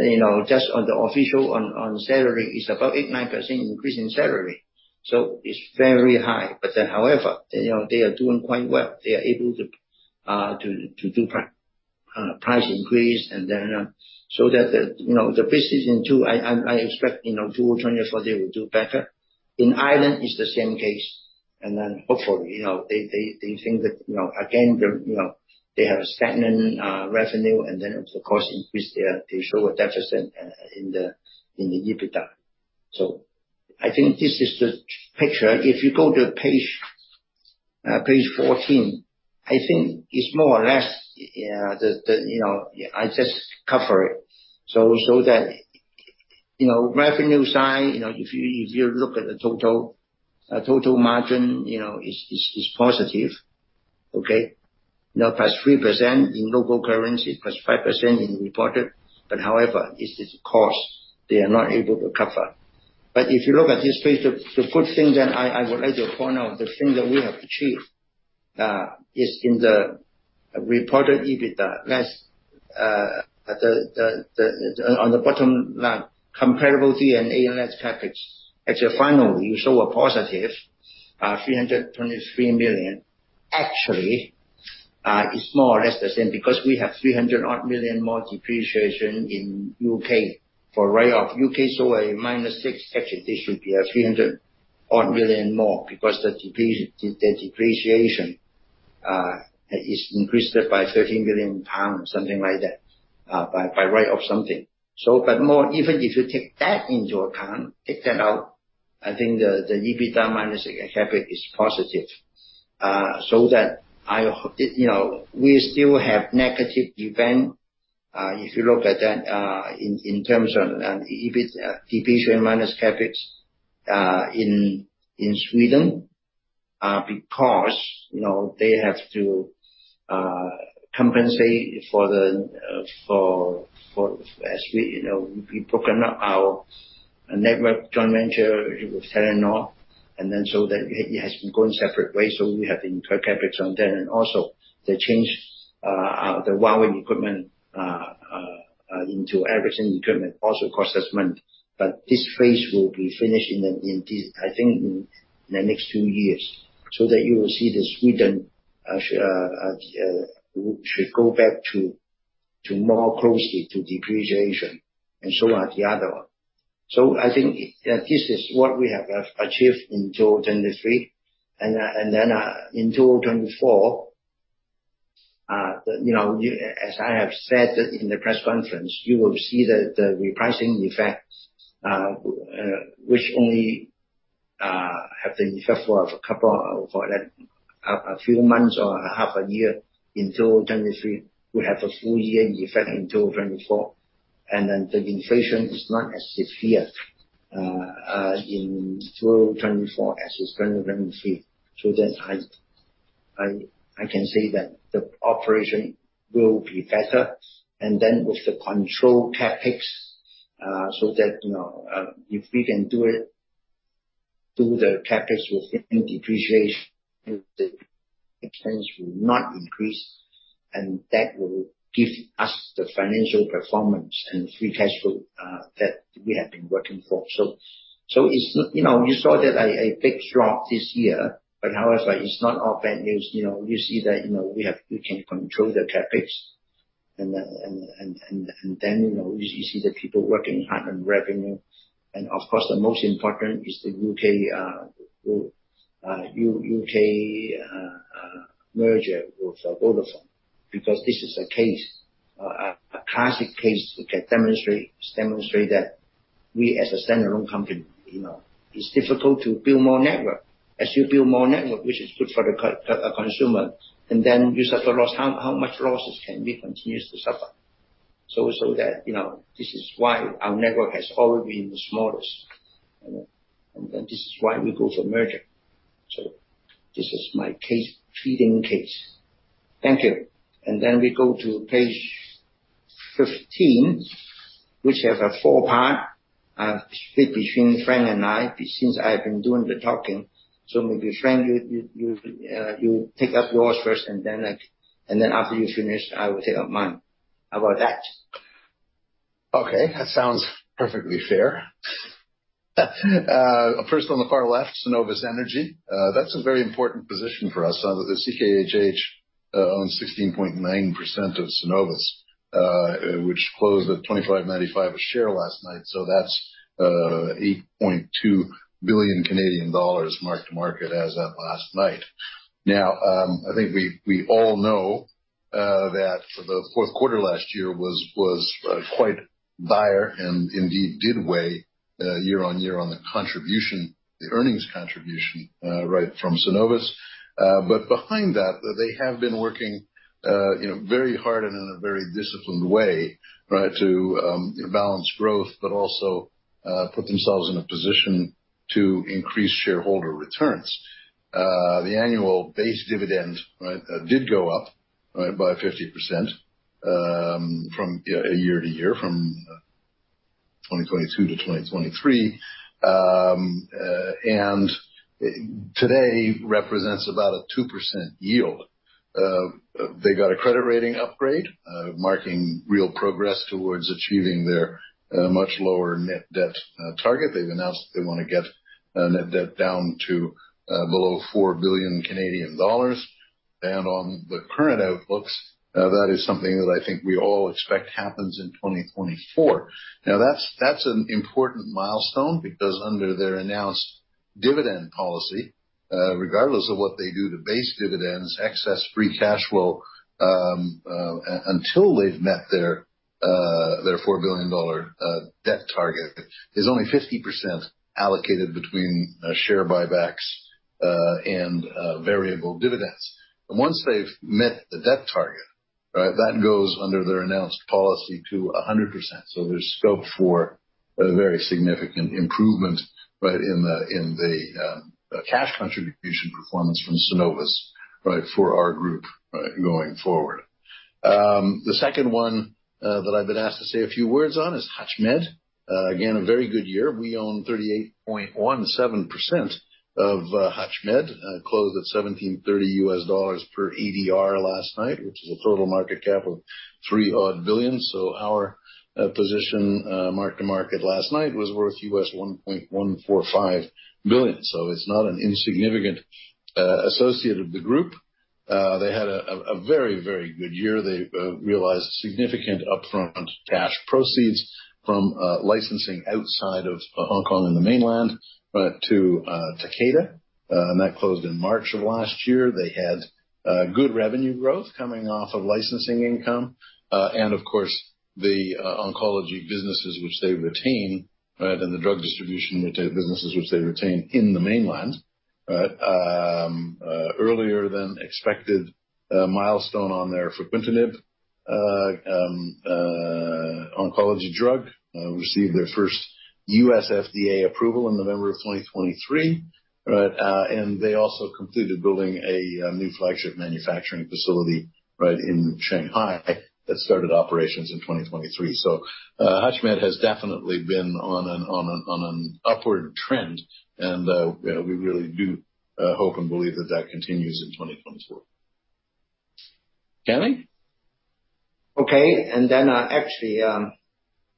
You know, just on the official on salary, it's about 8%-9% increase in salary. So it's very high. But then, however, you know, they are doing quite well. They are able to do price increase. And then, so that the, you know, the business in two, I expect, you know, 2024, they will do better. In Ireland, it's the same case. Then hopefully, you know, they think that, you know, again, you know, they have a stagnant revenue and then, of course, they show a deficit in the EBITDA. So I think this is the picture. If you go to page 14, I think it's more or less, you know, I just cover it. So, so that, you know, revenue side, you know, if you look at the total margin, you know, it's positive, okay? You know, plus 3% in local currency, plus 5% in reported. But however, it's the cost they are not able to cover. But if you look at this page, the good thing that I would like to point out, the thing that we have achieved, is in the reported EBITDA less the on the bottom line, comparable D&A and less CapEx. Actually, finally, you saw a positive 323 million. Actually, it's more or less the same because we have 300-odd million more depreciation in U.K. for write-off. U.K. saw a minus six. Actually, this should be a 300-odd million more because the depreciation is increased by 30 million pounds, something like that, by write-off something. So but more even if you take that into account, take that out, I think the EBITDA minus CapEx is positive. So that, you know, we still have a negative event, if you look at that, in terms of EBIT depreciation minus CapEx, in Sweden, because, you know, they have to compensate for the, for, for as we, you know, we've broken up our network joint venture with Telenor. And then so that it has been going separate ways. So we have been per CapEx on there. And also, they changed the Huawei equipment into Ericsson equipment. Also, it costs us money. But this phase will be finished in this, I think, in the next two years. So that you will see that Sweden should go back to more closely to depreciation. And so are the other ones. So I think this is what we have achieved in 2023. And then, in 2024, you know, as I have said in the press conference, you will see the repricing effect, which only have the effect for a few months or half a year in 2023. We have a full-year effect in 2024. And then the inflation is not as severe in 2024 as it's 2023. So that I can say that the operation will be better. And then with the controlled CapEx, so that, you know, if we can do it through the CapEx within depreciation, the expense will not increase. And that will give us the financial performance and free cash flow that we have been working for. So it's not you know, you saw that a big drop this year. But however, it's not all bad news. You know, you see that, you know, we can control the CapEx. And then, you know, you see the people working hard on revenue. And of course, the most important is the UK merger with Vodafone because this is a classic case that demonstrates that we as a standalone company, you know, it's difficult to build more network. As you build more network, which is good for the consumer, and then you suffer loss. How much losses can we continue to suffer? So, you know, this is why our network has always been the smallest. And this is why we go for merger. So this is my key case. Thank you. And then we go to page 15, which have a four-part split between Frank and I since I have been doing the talking. So maybe, Frank, you take up yours first and then I and then after you finish, I will take up mine. How about that? Okay. That sounds perfectly fair. First on the far left, Cenovus Energy. That's a very important position for us. The CKHH owns 16.9% of Cenovus, which closed at 25.95 a share last night. So that's 8.2 billion Canadian dollars marked to market as of last night. Now, I think we all know that the fourth quarter last year was quite dire and indeed did weigh year-on-year on the contribution, the earnings contribution, right, from Cenovus. But behind that, they have been working, you know, very hard and in a very disciplined way, right, to balance growth but also put themselves in a position to increase shareholder returns. The annual base dividend, right, did go up, right, by 50%, from a year to year, from 2022 to 2023. And today represents about a 2% yield. They got a credit rating upgrade, marking real progress towards achieving their much lower net debt target. They've announced that they want to get net debt down to below 4 billion Canadian dollars. And on the current outlooks, that is something that I think we all expect happens in 2024. Now, that's an important milestone because under their announced dividend policy, regardless of what they do to base dividends, excess free cash flow until they've met their 4 billion dollar debt target is only 50% allocated between share buybacks and variable dividends. And once they've met the debt target, right, that goes under their announced policy to 100%. So there's scope for a very significant improvement, right, in the cash contribution performance from Cenovus, right, for our group, right, going forward. The second one that I've been asked to say a few words on is HUTCHMED. Again, a very good year. We own 38.17% of HUTCHMED, closed at $1,730 per ADR last night, which is a total market cap of three-odd billion. So our position, marked to market last night, was worth $1.145 billion. So it's not an insignificant associate of the group. They had a very good year. They realized significant upfront cash proceeds from licensing outside of Hong Kong and the mainland, right, to Takeda. And that closed in March of last year. They had good revenue growth coming off of licensing income. And of course, the oncology businesses which they retain, right, and the drug distribution businesses which they retain in the mainland, right, earlier than expected, milestone on their Fruquintinib oncology drug, received their first US FDA approval in November of 2023, right. They also completed building a new flagship manufacturing facility, right, in Shanghai that started operations in 2023. So, Hutch Med has definitely been on an upward trend. And we really do hope and believe that that continues in 2024. Kenny? Okay. And then, actually,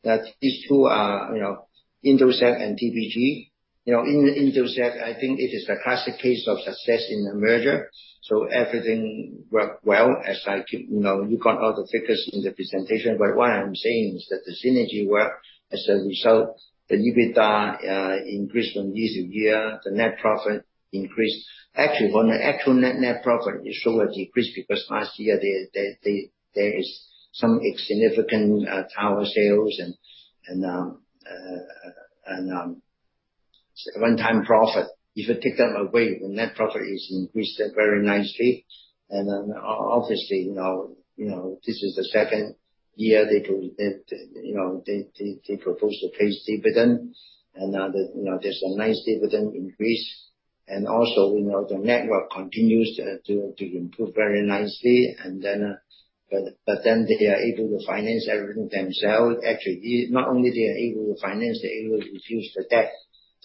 than these two, you know, Indosat and TPG, you know, Indosat, I think it is a classic case of success in a merger. So everything worked well as I keep you know, you got all the figures in the presentation. But what I'm saying is that the synergy work as a result, the EBITDA increased from year to year. The net profit increased. Actually, on the actual net profit, it saw a decrease because last year, there is some significant tower sales and one-time profit. If you take that away, the net profit is increased very nicely. And then, obviously, you know, this is the second year they do, you know, they propose to pay dividend. And now the, you know, there's a nice dividend increase. And also, you know, the network continues to improve very nicely. But then they are able to finance everything themselves. Actually, not only they are able to finance, they are able to reduce the debt.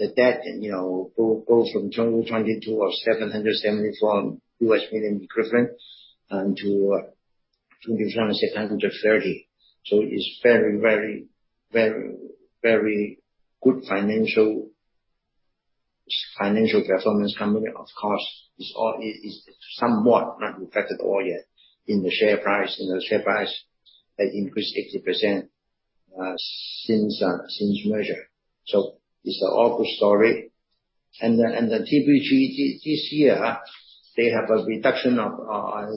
The debt, you know, go from 2022 of $774 million equivalent until $730 million. So it's very, very, very good financial performance company, of course. It's all it's somewhat not reflected all yet in the share price. You know, the share price had increased 80% since merger. So it's an awful story. And then TPG, this year, they have a reduction of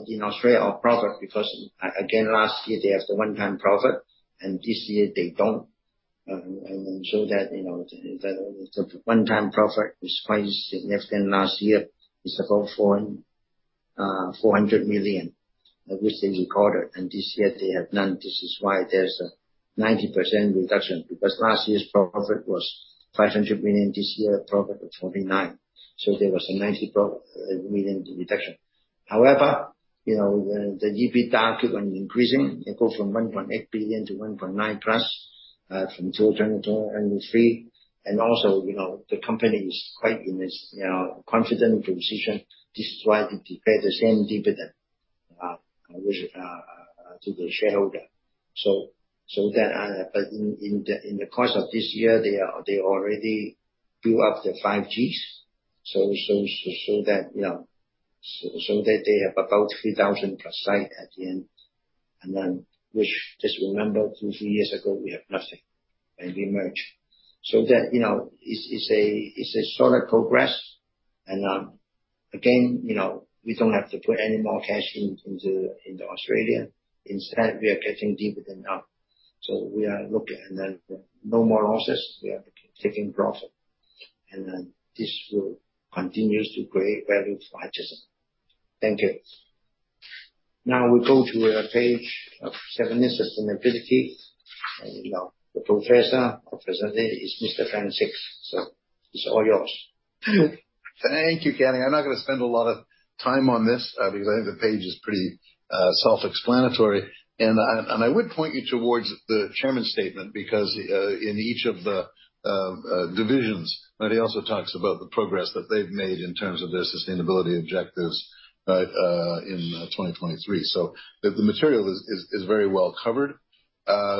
in Australia of profit because, again, last year, they have the one-time profit. And so that, you know, the one-time profit is quite significant. Last year, it's about 400 million, which they recorded. And this year, they have none. This is why there's a 90% reduction because last year's profit was 500 million. This year, profit of 49 million. So there was a 90 million reduction. However, you know, the EBITDA keep on increasing. They go from 1.8 billion to 1.9+, from 2023. And also, you know, the company is quite in a, you know, confident position. This is why they pay the same dividend, which to the shareholder. So that but in the course of this year, they are they already built up their 5Gs. So that, you know, so that they have about 3,000+ site at the end. And then which just remember, two, three years ago, we had nothing when we merged. So that, you know, it's, it's a it's a solid progress. Again, you know, we don't have to put any more cash into, into Australia. Instead, we are getting dividend out. So we are looking and then no more losses. We are taking profit. And then this will continue to create value for Hutchison. Thank you. Now, we go to page seven. Sustainability. And, you know, the professor, our presenter, is Mr. Frank Sixt. So it's all yours. Thank you, Canning. I'm not going to spend a lot of time on this, because I think the page is pretty self-explanatory. And I would point you towards the chairman's statement because, in each of the divisions, right, he also talks about the progress that they've made in terms of their sustainability objectives, right, in 2023. So the material is very well covered.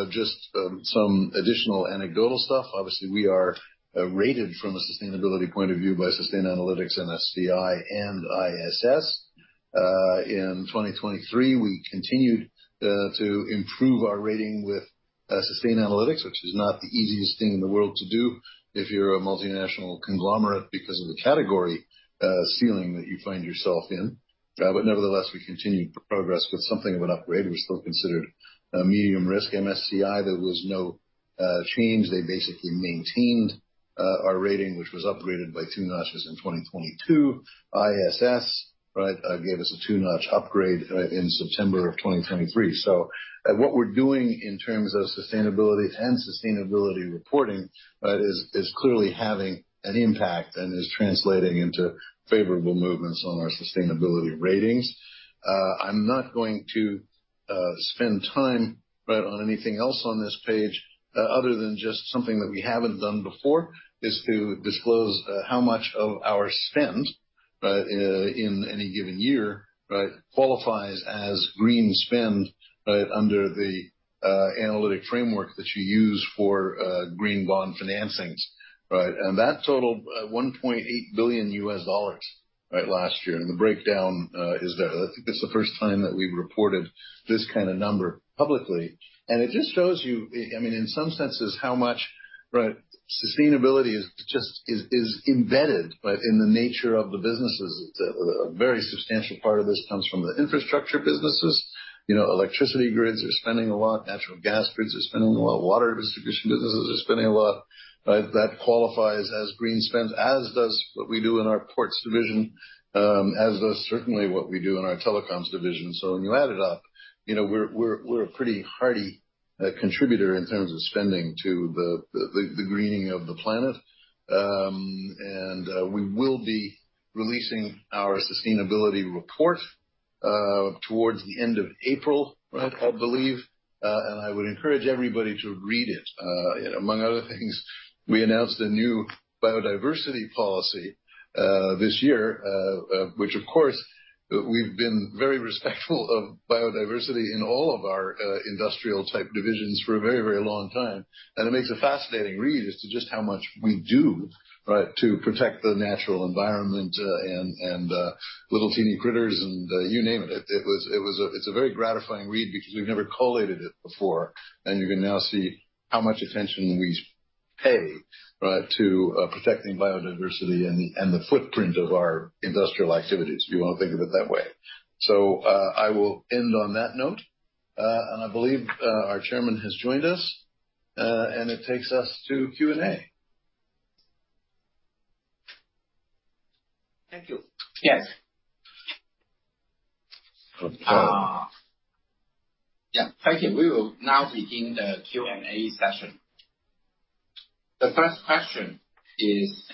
Just some additional anecdotal stuff. Obviously, we are rated from a sustainability point of view by Sustainalytics and S&P and ISS. In 2023, we continued to improve our rating with Sustainalytics, which is not the easiest thing in the world to do if you're a multinational conglomerate because of the category ceiling that you find yourself in. But nevertheless, we continued progress with something of an upgrade. We're still considered medium risk. MSCI, there was no change. They basically maintained our rating, which was upgraded by two notches in 2022. ISS, right, gave us a two-notch upgrade, right, in September of 2023. So what we're doing in terms of sustainability and sustainability reporting, right, is clearly having an impact and is translating into favorable movements on our sustainability ratings. I'm not going to spend time, right, on anything else on this page, other than just something that we haven't done before is to disclose how much of our spend, right, in any given year, right, qualifies as green spend, right, under the analytical framework that you use for green bond financings, right. And that totaled $1.8 billion, right, last year. And the breakdown is there. I think it's the first time that we've reported this kind of number publicly. And it just shows you, I mean, in some senses, how much, right, sustainability is just embedded, right, in the nature of the businesses. A very substantial part of this comes from the infrastructure businesses. You know, electricity grids are spending a lot. Natural gas grids are spending a lot. Water distribution businesses are spending a lot, right. That qualifies as green spend, as does what we do in our ports division, as does certainly what we do in our telecoms division. So when you add it up, you know, we're a pretty hearty contributor in terms of spending to the greening of the planet. And we will be releasing our sustainability report towards the end of April, right, I believe. And I would encourage everybody to read it. You know, among other things, we announced a new biodiversity policy this year, which, of course, we've been very respectful of biodiversity in all of our industrial-type divisions for a very, very long time. It makes a fascinating read as to just how much we do, right, to protect the natural environment, and little teeny critters and you name it. It's a very gratifying read because we've never collated it before. You can now see how much attention we pay, right, to protecting biodiversity and the footprint of our industrial activities if you want to think of it that way. I will end on that note. I believe our chairman has joined us, and it takes us to Q&A. Thank you. Yes. Yeah. Thank you. We will now begin the Q&A session. The first question is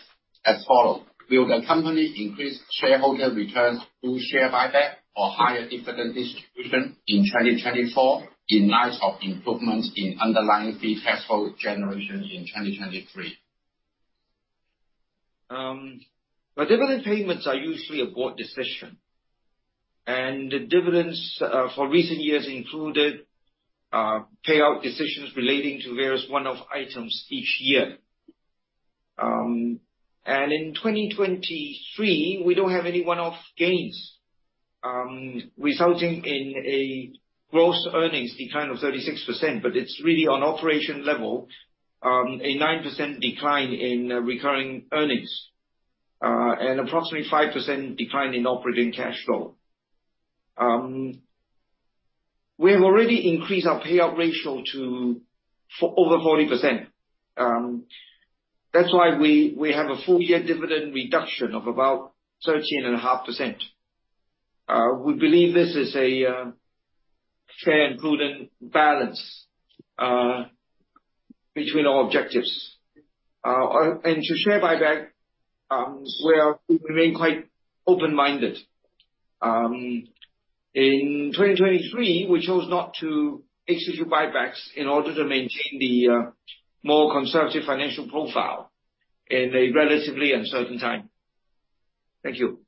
as follows. Will the company increase shareholder returns through share buyback or higher dividend distribution in 2024 in light of improvement in underlying free cash flow generation in 2023? Well, dividend payments are usually a board decision. And the dividends for recent years included payout decisions relating to various one-off items each year. And in 2023, we don't have any one-off gains, resulting in a gross earnings decline of 36%. But it's really on operation level, a 9% decline in recurring earnings, and approximately 5% decline in operating cash flow. We have already increased our payout ratio to over 40%. That's why we have a full-year dividend reduction of about 13.5%. We believe this is a fair and prudent balance between our objectives. And to share buyback, we remain quite open-minded. In 2023, we chose not to execute buybacks in order to maintain the more conservative financial profile in a relatively uncertain time. Thank you.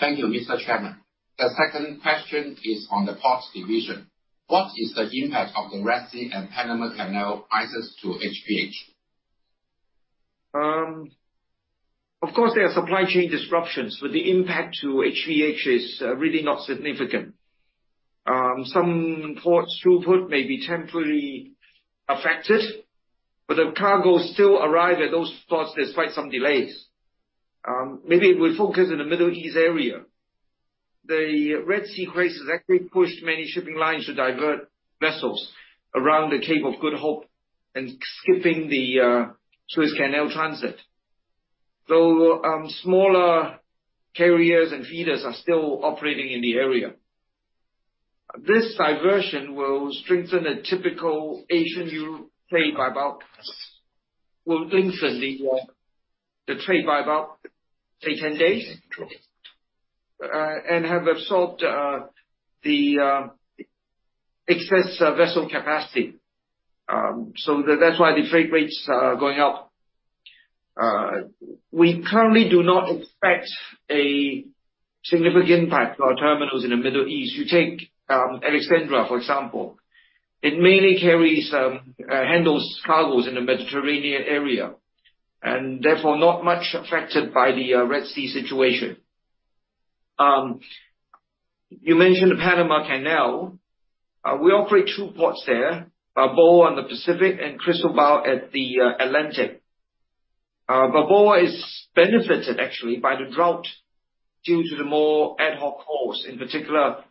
Thank you, Mr. Chairman. The second question is on the ports division. What is the impact of the Red Sea and Panama Canal issues to HPH? Of course, there are supply chain disruptions, but the impact to HPH is really not significant. Some ports throughput may be temporarily affected, but the cargo still arrives at those ports despite some delays. Maybe it will focus in the Middle East area. The Red Sea crisis actually pushed many shipping lines to divert vessels around the Cape of Good Hope and skipping the Suez Canal transit. So, smaller carriers and feeders are still operating in the area. This diversion will strengthen a typical Asian-European trade route, will lengthen the trade route, say, 10 days, and has absorbed the excess vessel capacity. So that's why the trade rates are going up. We currently do not expect a significant impact to our terminals in the Middle East. You take Alexandria, for example. It mainly carries, handles cargoes in the Mediterranean area and, therefore, not much affected by the Red Sea situation. You mentioned the Panama Canal. We operate two ports there, Balboa on the Pacific and Cristobal at the Atlantic. Balboa is benefited, actually, by the drought due to the more ad hoc calls. In particular,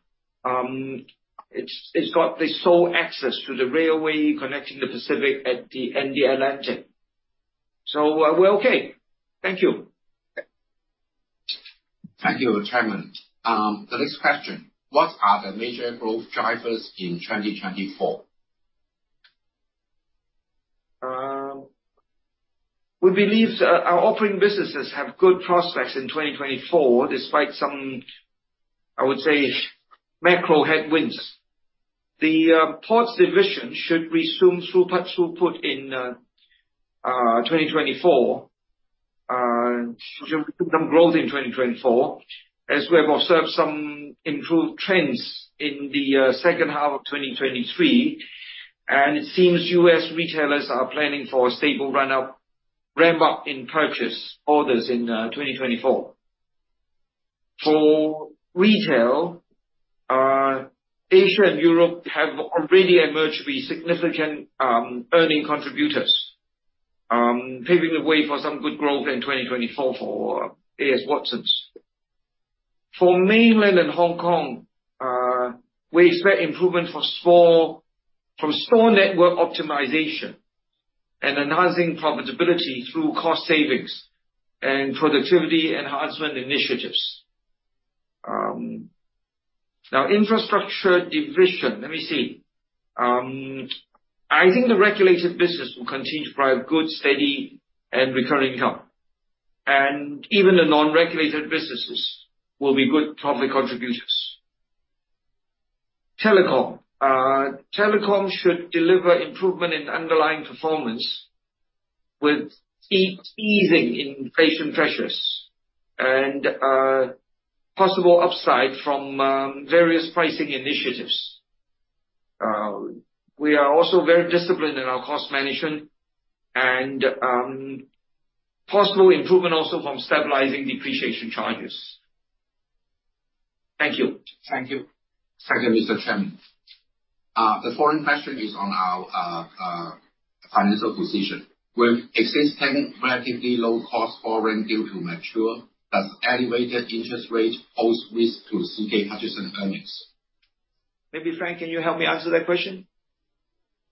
it's got rail access to the railway connecting the Pacific and the Atlantic. So, we're okay. Thank you. Thank you, Chairman. The next question. What are the major growth drivers in 2024? We believe our operating businesses have good prospects in 2024 despite some, I would say, macro headwinds. The ports division should resume throughput in 2024, should resume some growth in 2024 as we have observed some improved trends in the second half of 2023. It seems US retailers are planning for a stable run-up ramp-up in purchase orders in 2024. For retail, Asia and Europe have already emerged to be significant earning contributors, paving the way for some good growth in 2024 for A.S. Watson. For Mainland China and Hong Kong, we expect improvement for store from store network optimization and enhancing profitability through cost savings and productivity enhancement initiatives. Now, infrastructure division let me see. I think the regulated business will continue to provide good, steady, and recurring income. Even the non-regulated businesses will be good profit contributors. Telecom. Telecom should deliver improvement in underlying performance with easing inflation pressures and possible upside from various pricing initiatives. We are also very disciplined in our cost management and possible improvement also from stabilizing depreciation charges. Thank you. Thank you. Thank you, Mr. Chairman. The following question is on our financial position. Will existing relatively low-cost foreign debt due to mature plus elevated interest rates pose risk to CK Hutchison earnings? Maybe, Frank, can you help me answer that question?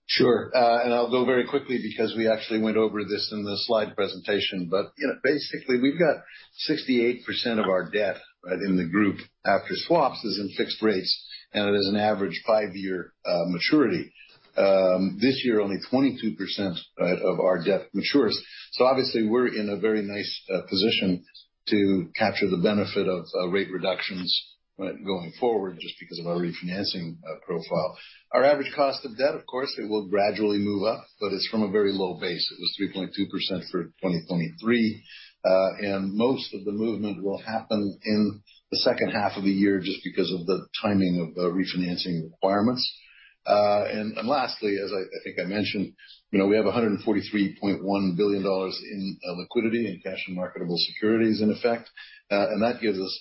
Sure. And I'll go very quickly because we actually went over this in the slide presentation. But, you know, basically, we've got 68% of our debt, right, in the group after swaps is in fixed rates, and it is an average 5-year maturity. This year, only 22%, right, of our debt matures. So obviously, we're in a very nice position to capture the benefit of rate reductions, right, going forward just because of our refinancing profile. Our average cost of debt, of course, it will gradually move up, but it's from a very low base. It was 3.2% for 2023. And most of the movement will happen in the second half of the year just because of the timing of the refinancing requirements. And lastly, as I think I mentioned, you know, we have $143.1 billion in liquidity and cash and marketable securities in effect. And that gives us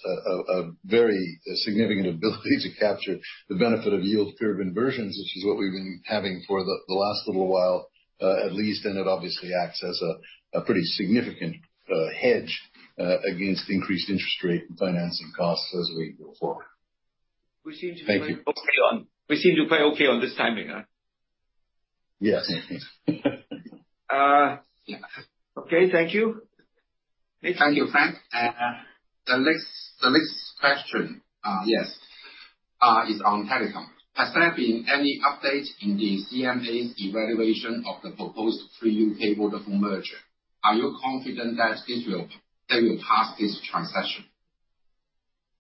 a very significant ability to capture the benefit of yield curve inversions, which is what we've been having for the last little while, at least. And it obviously acts as a pretty significant hedge against increased interest rate and financing costs as we go forward. We seem to play okay on this timing, huh? Yes. Okay. Thank you. Thank you, Frank. The next question, yes, is on telecom. Has there been any update in the CMA's evaluation of the proposed Three UK Vodafone merger? Are you confident that they will pass this transaction?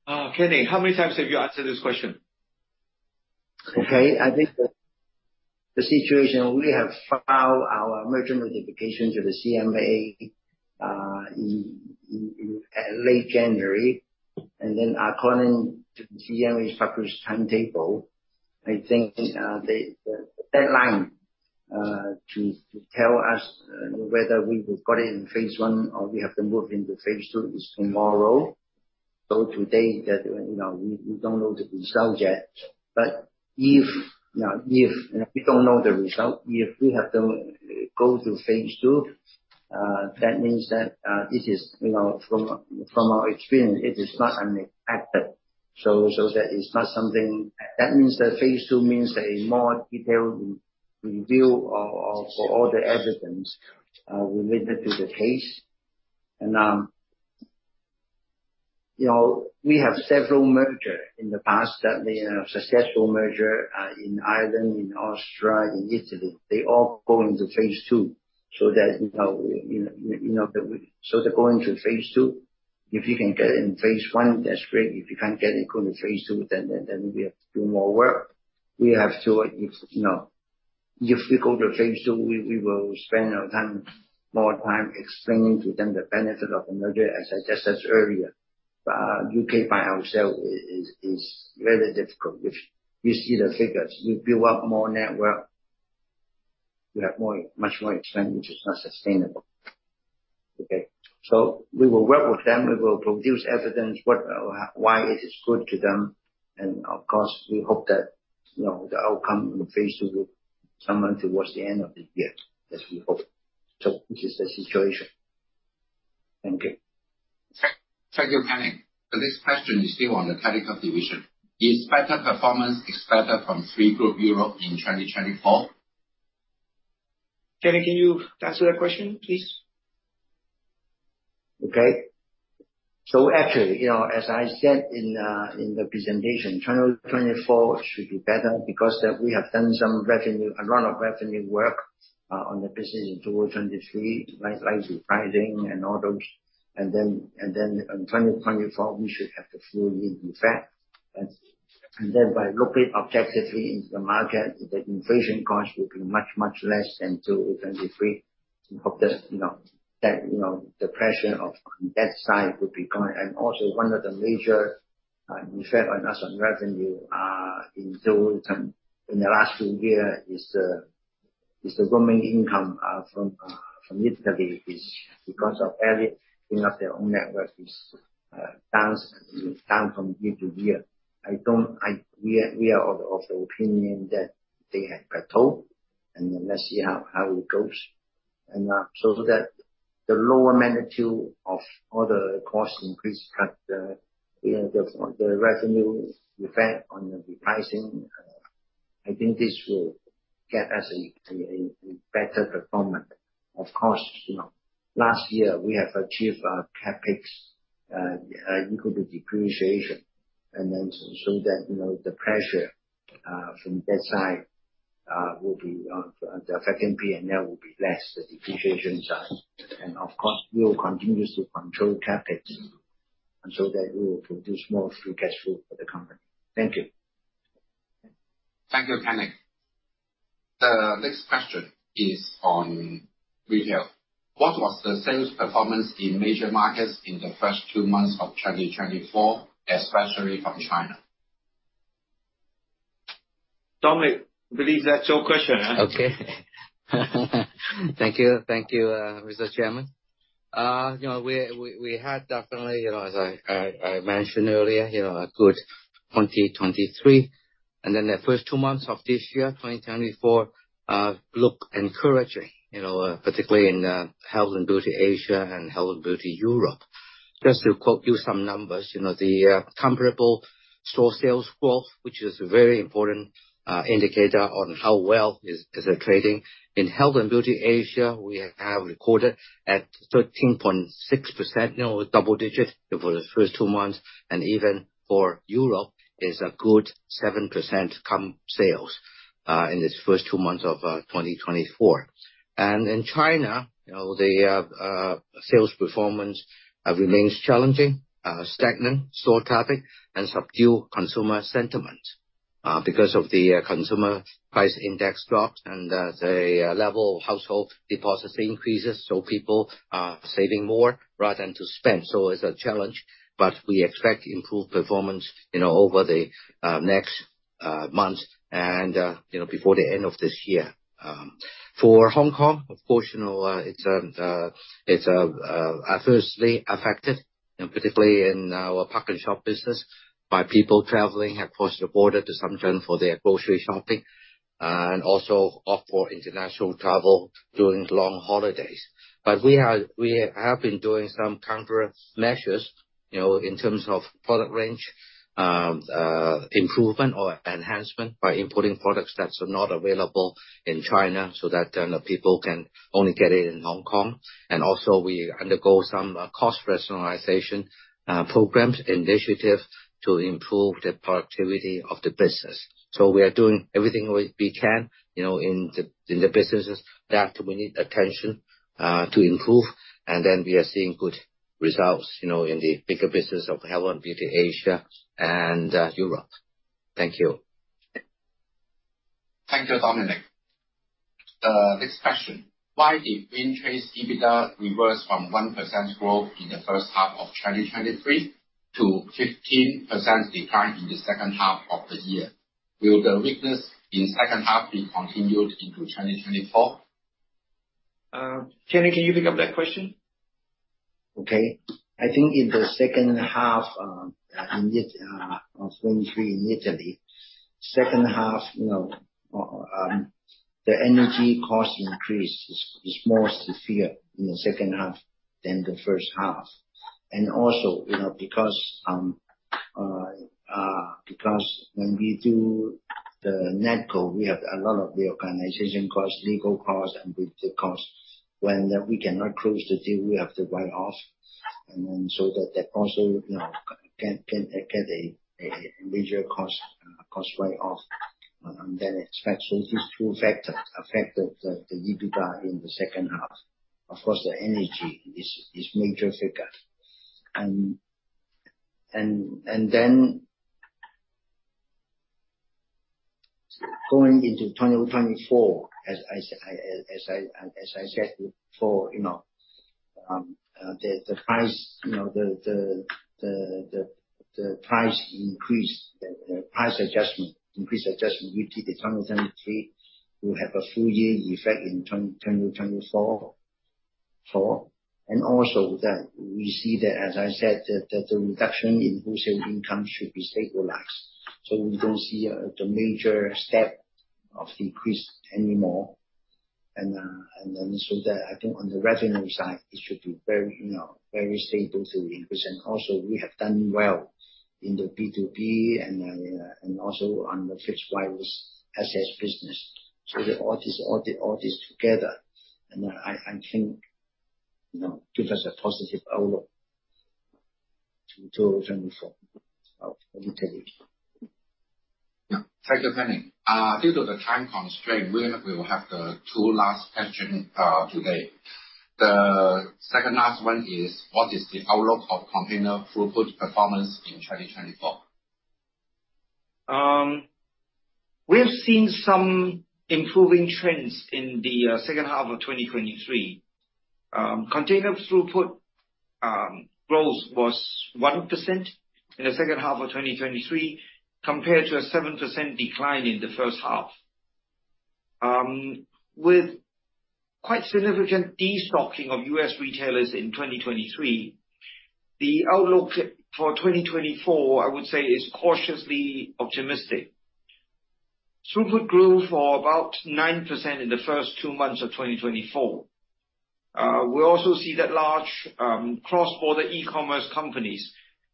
Canning, how many times have you answered this question? Okay. I think the situation is we have filed our merger notification to the CMA in late January. And then according to the CMA's published timetable, I think the deadline to tell us whether we will got it in phase one or we have to move into phase two is tomorrow. So today, you know, we don't know the result yet. But, you know, we don't know the result. If we have to go to phase two, that means that it is, you know, from our experience, it is not unexpected. So that is not something that means that phase two means a more detailed review of all the evidence related to the case. And, you know, we have several merger in the past that we successful merger in Ireland, in Austria, in Italy. They all go into phase two. So that, you know, you know, you know, that we so they're going to phase two. If you can get in phase one, that's great. If you can't get into phase two, then, then, then we have to do more work. We have to if, you know, if we go to phase two, we, we will spend our time more time explaining to them the benefit of the merger, as I just said earlier. But, U.K. by ourselves is, is, is very difficult. If you see the figures, you build up more network, you have more much more expense, which is not sustainable. Okay? So we will work with them. We will produce evidence what why it is good to them. Of course, we hope that, you know, the outcome in phase two will come towards the end of the year, as we hope. This is the situation. Thank you. Thank you, Canny. The next question is still on the telecom division. Is better performance expected from Three Group Europe in 2024? Canny, can you answer that question, please? Okay. So actually, you know, as I said in the presentation, 2024 should be better because we have done a lot of revenue work on the business in 2023, like repricing and all those. And then in 2024, we should have the full year effect. And then by looking objectively into the market, the inflation cost will be much less than 2023. We hope that, you know, the pressure on that side will be gone. And also, one of the major effects on our revenue in 2020 in the last few years is the roaming income from Italy because of failure to bring up their own network is down from year to year. We are of the opinion that they have plateaued. Then let's see how it goes. So that the lower magnitude of all the cost increase cut, the revenue effect on the repricing, I think this will get us a better performance. Of course, you know, last year we have achieved CapEx equal to depreciation. Then so that, you know, the pressure from that side will be less on the affecting P&L, the depreciation side. Of course, we will continue to control CapEx so that we will produce more free cash flow for the company. Thank you. Thank you, Canning. The next question is on retail. What was the sales performance in major markets in the first two months of 2024, especially from China? Dominic, we believe that's your question, huh? Okay. Thank you. Thank you, Mr. Chairman. You know, we had definitely, you know, as I mentioned earlier, you know, a good 2023. And then the first two months of this year, 2024, look encouraging, you know, particularly in Health and Beauty Asia and Health and Beauty Europe. Just to quote you some numbers, you know, the comparable store sales growth, which is a very important indicator on how well is it trading. In Health and Beauty Asia, we have recorded at 13.6%, you know, double digit for the first two months. And even for Europe, it's a good 7% comp sales, in these first two months of 2024. And in China, you know, the sales performance remains challenging, stagnant store traffic, and subdued consumer sentiment, because of the consumer price index drops and the level of household deposits increases. So people are saving more rather than to spend. So it's a challenge. But we expect improved performance, you know, over the next months and, you know, before the end of this year. For Hong Kong, of course, you know, it's adversely affected, you know, particularly in our PARKnSHOP business by people traveling across the border to some extent for their grocery shopping, and also other international travel during long holidays. But we have been doing some countermeasures, you know, in terms of product range, improvement or enhancement by importing products that are not available in China so that, you know, people can only get it in Hong Kong. And also, we undergo some cost personalization programs, initiatives to improve the productivity of the business. So we are doing everything we can, you know, in the businesses that need attention to improve. And then we are seeing good results, you know, in the bigger business of Health and Beauty Asia and Europe. Thank you. Thank you, Dominic. The next question. Why did Wind Tre's EBITDA reverse from 1% growth in the first half of 2023 to 15% decline in the second half of the year? Will the weakness in second half be continued into 2024? Canny, can you pick up that question? Okay. I think in the second half of 2023 in Italy, second half, you know, the energy cost increase is more severe in the second half than the first half. And also, you know, because when we do the NetCo, we have a lot of reorganization costs, legal costs, and budget costs. When we cannot close the deal, we have to write off. And then so that that also, you know, get a major cost write-off. And then expect so these two factors affect the EBITDA in the second half. Of course, the energy is major figure. And then going into 2024, as I said before, you know, the price, you know, the price increase. The price adjustment, increased adjustment, we did in 2023 will have a full year effect in 2024. And also, we see that, as I said, the reduction in wholesale income should be stabilized. So we don't see a major step of decrease anymore. And then so that I think on the revenue side, it should be very, you know, very stable to increase. And also, we have done well in the B2B and also on the fixed wireless access business. So the audits together, and I think, you know, give us a positive outlook to 2024 of Italy. Yeah. Thank you, Canny. Due to the time constraint, we will have the two last questions today. The second last one is, what is the outlook of container throughput performance in 2024? We have seen some improving trends in the second half of 2023. Container throughput growth was 1% in the second half of 2023 compared to a 7% decline in the first half. With quite significant destocking of US retailers in 2023, the outlook for 2024, I would say, is cautiously optimistic. Throughput grew for about 9% in the first two months of 2024. We also see that large cross-border e-commerce companies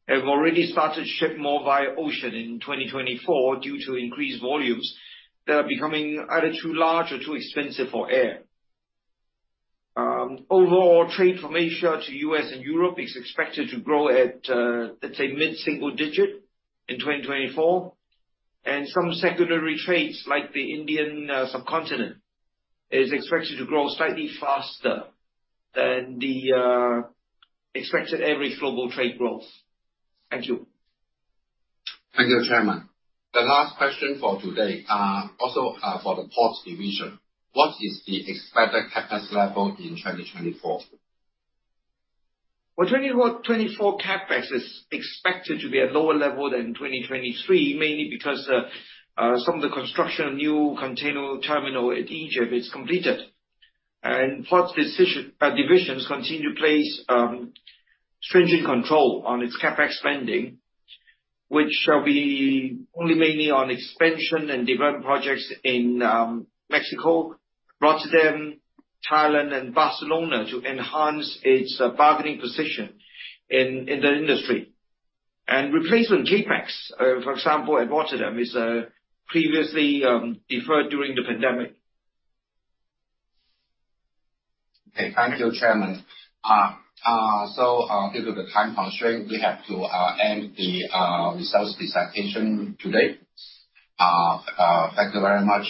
have already started shipping more via ocean in 2024 due to increased volumes that are becoming either too large or too expensive for air. Overall trade from Asia to U.S. and Europe is expected to grow at, let's say, mid-single digit in 2024. Some secondary trades, like the Indian subcontinent, is expected to grow slightly faster than the expected average global trade growth. Thank you. Thank you, Chairman. The last question for today, also, for the ports division. What is the expected CapEx level in 2024? Well, 2024 Capex is expected to be at a lower level than 2023, mainly because some of the construction of new container terminals in Egypt is completed. Ports division continues to place stringent control on its Capex spending, which shall be only mainly on expansion and development projects in Mexico, Rotterdam, Thailand, and Barcelona to enhance its bargaining position in the industry. Replacement Capex, for example, at Rotterdam was previously deferred during the pandemic. Okay. Thank you, Chairman. Due to the time constraint, we have to end the results presentation today. Thank you very much,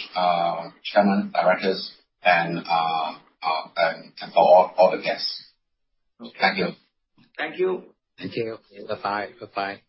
Chairman, directors, and for all the guests. Okay. Thank you. Thank you. Thank you. Bye-bye. Bye-bye.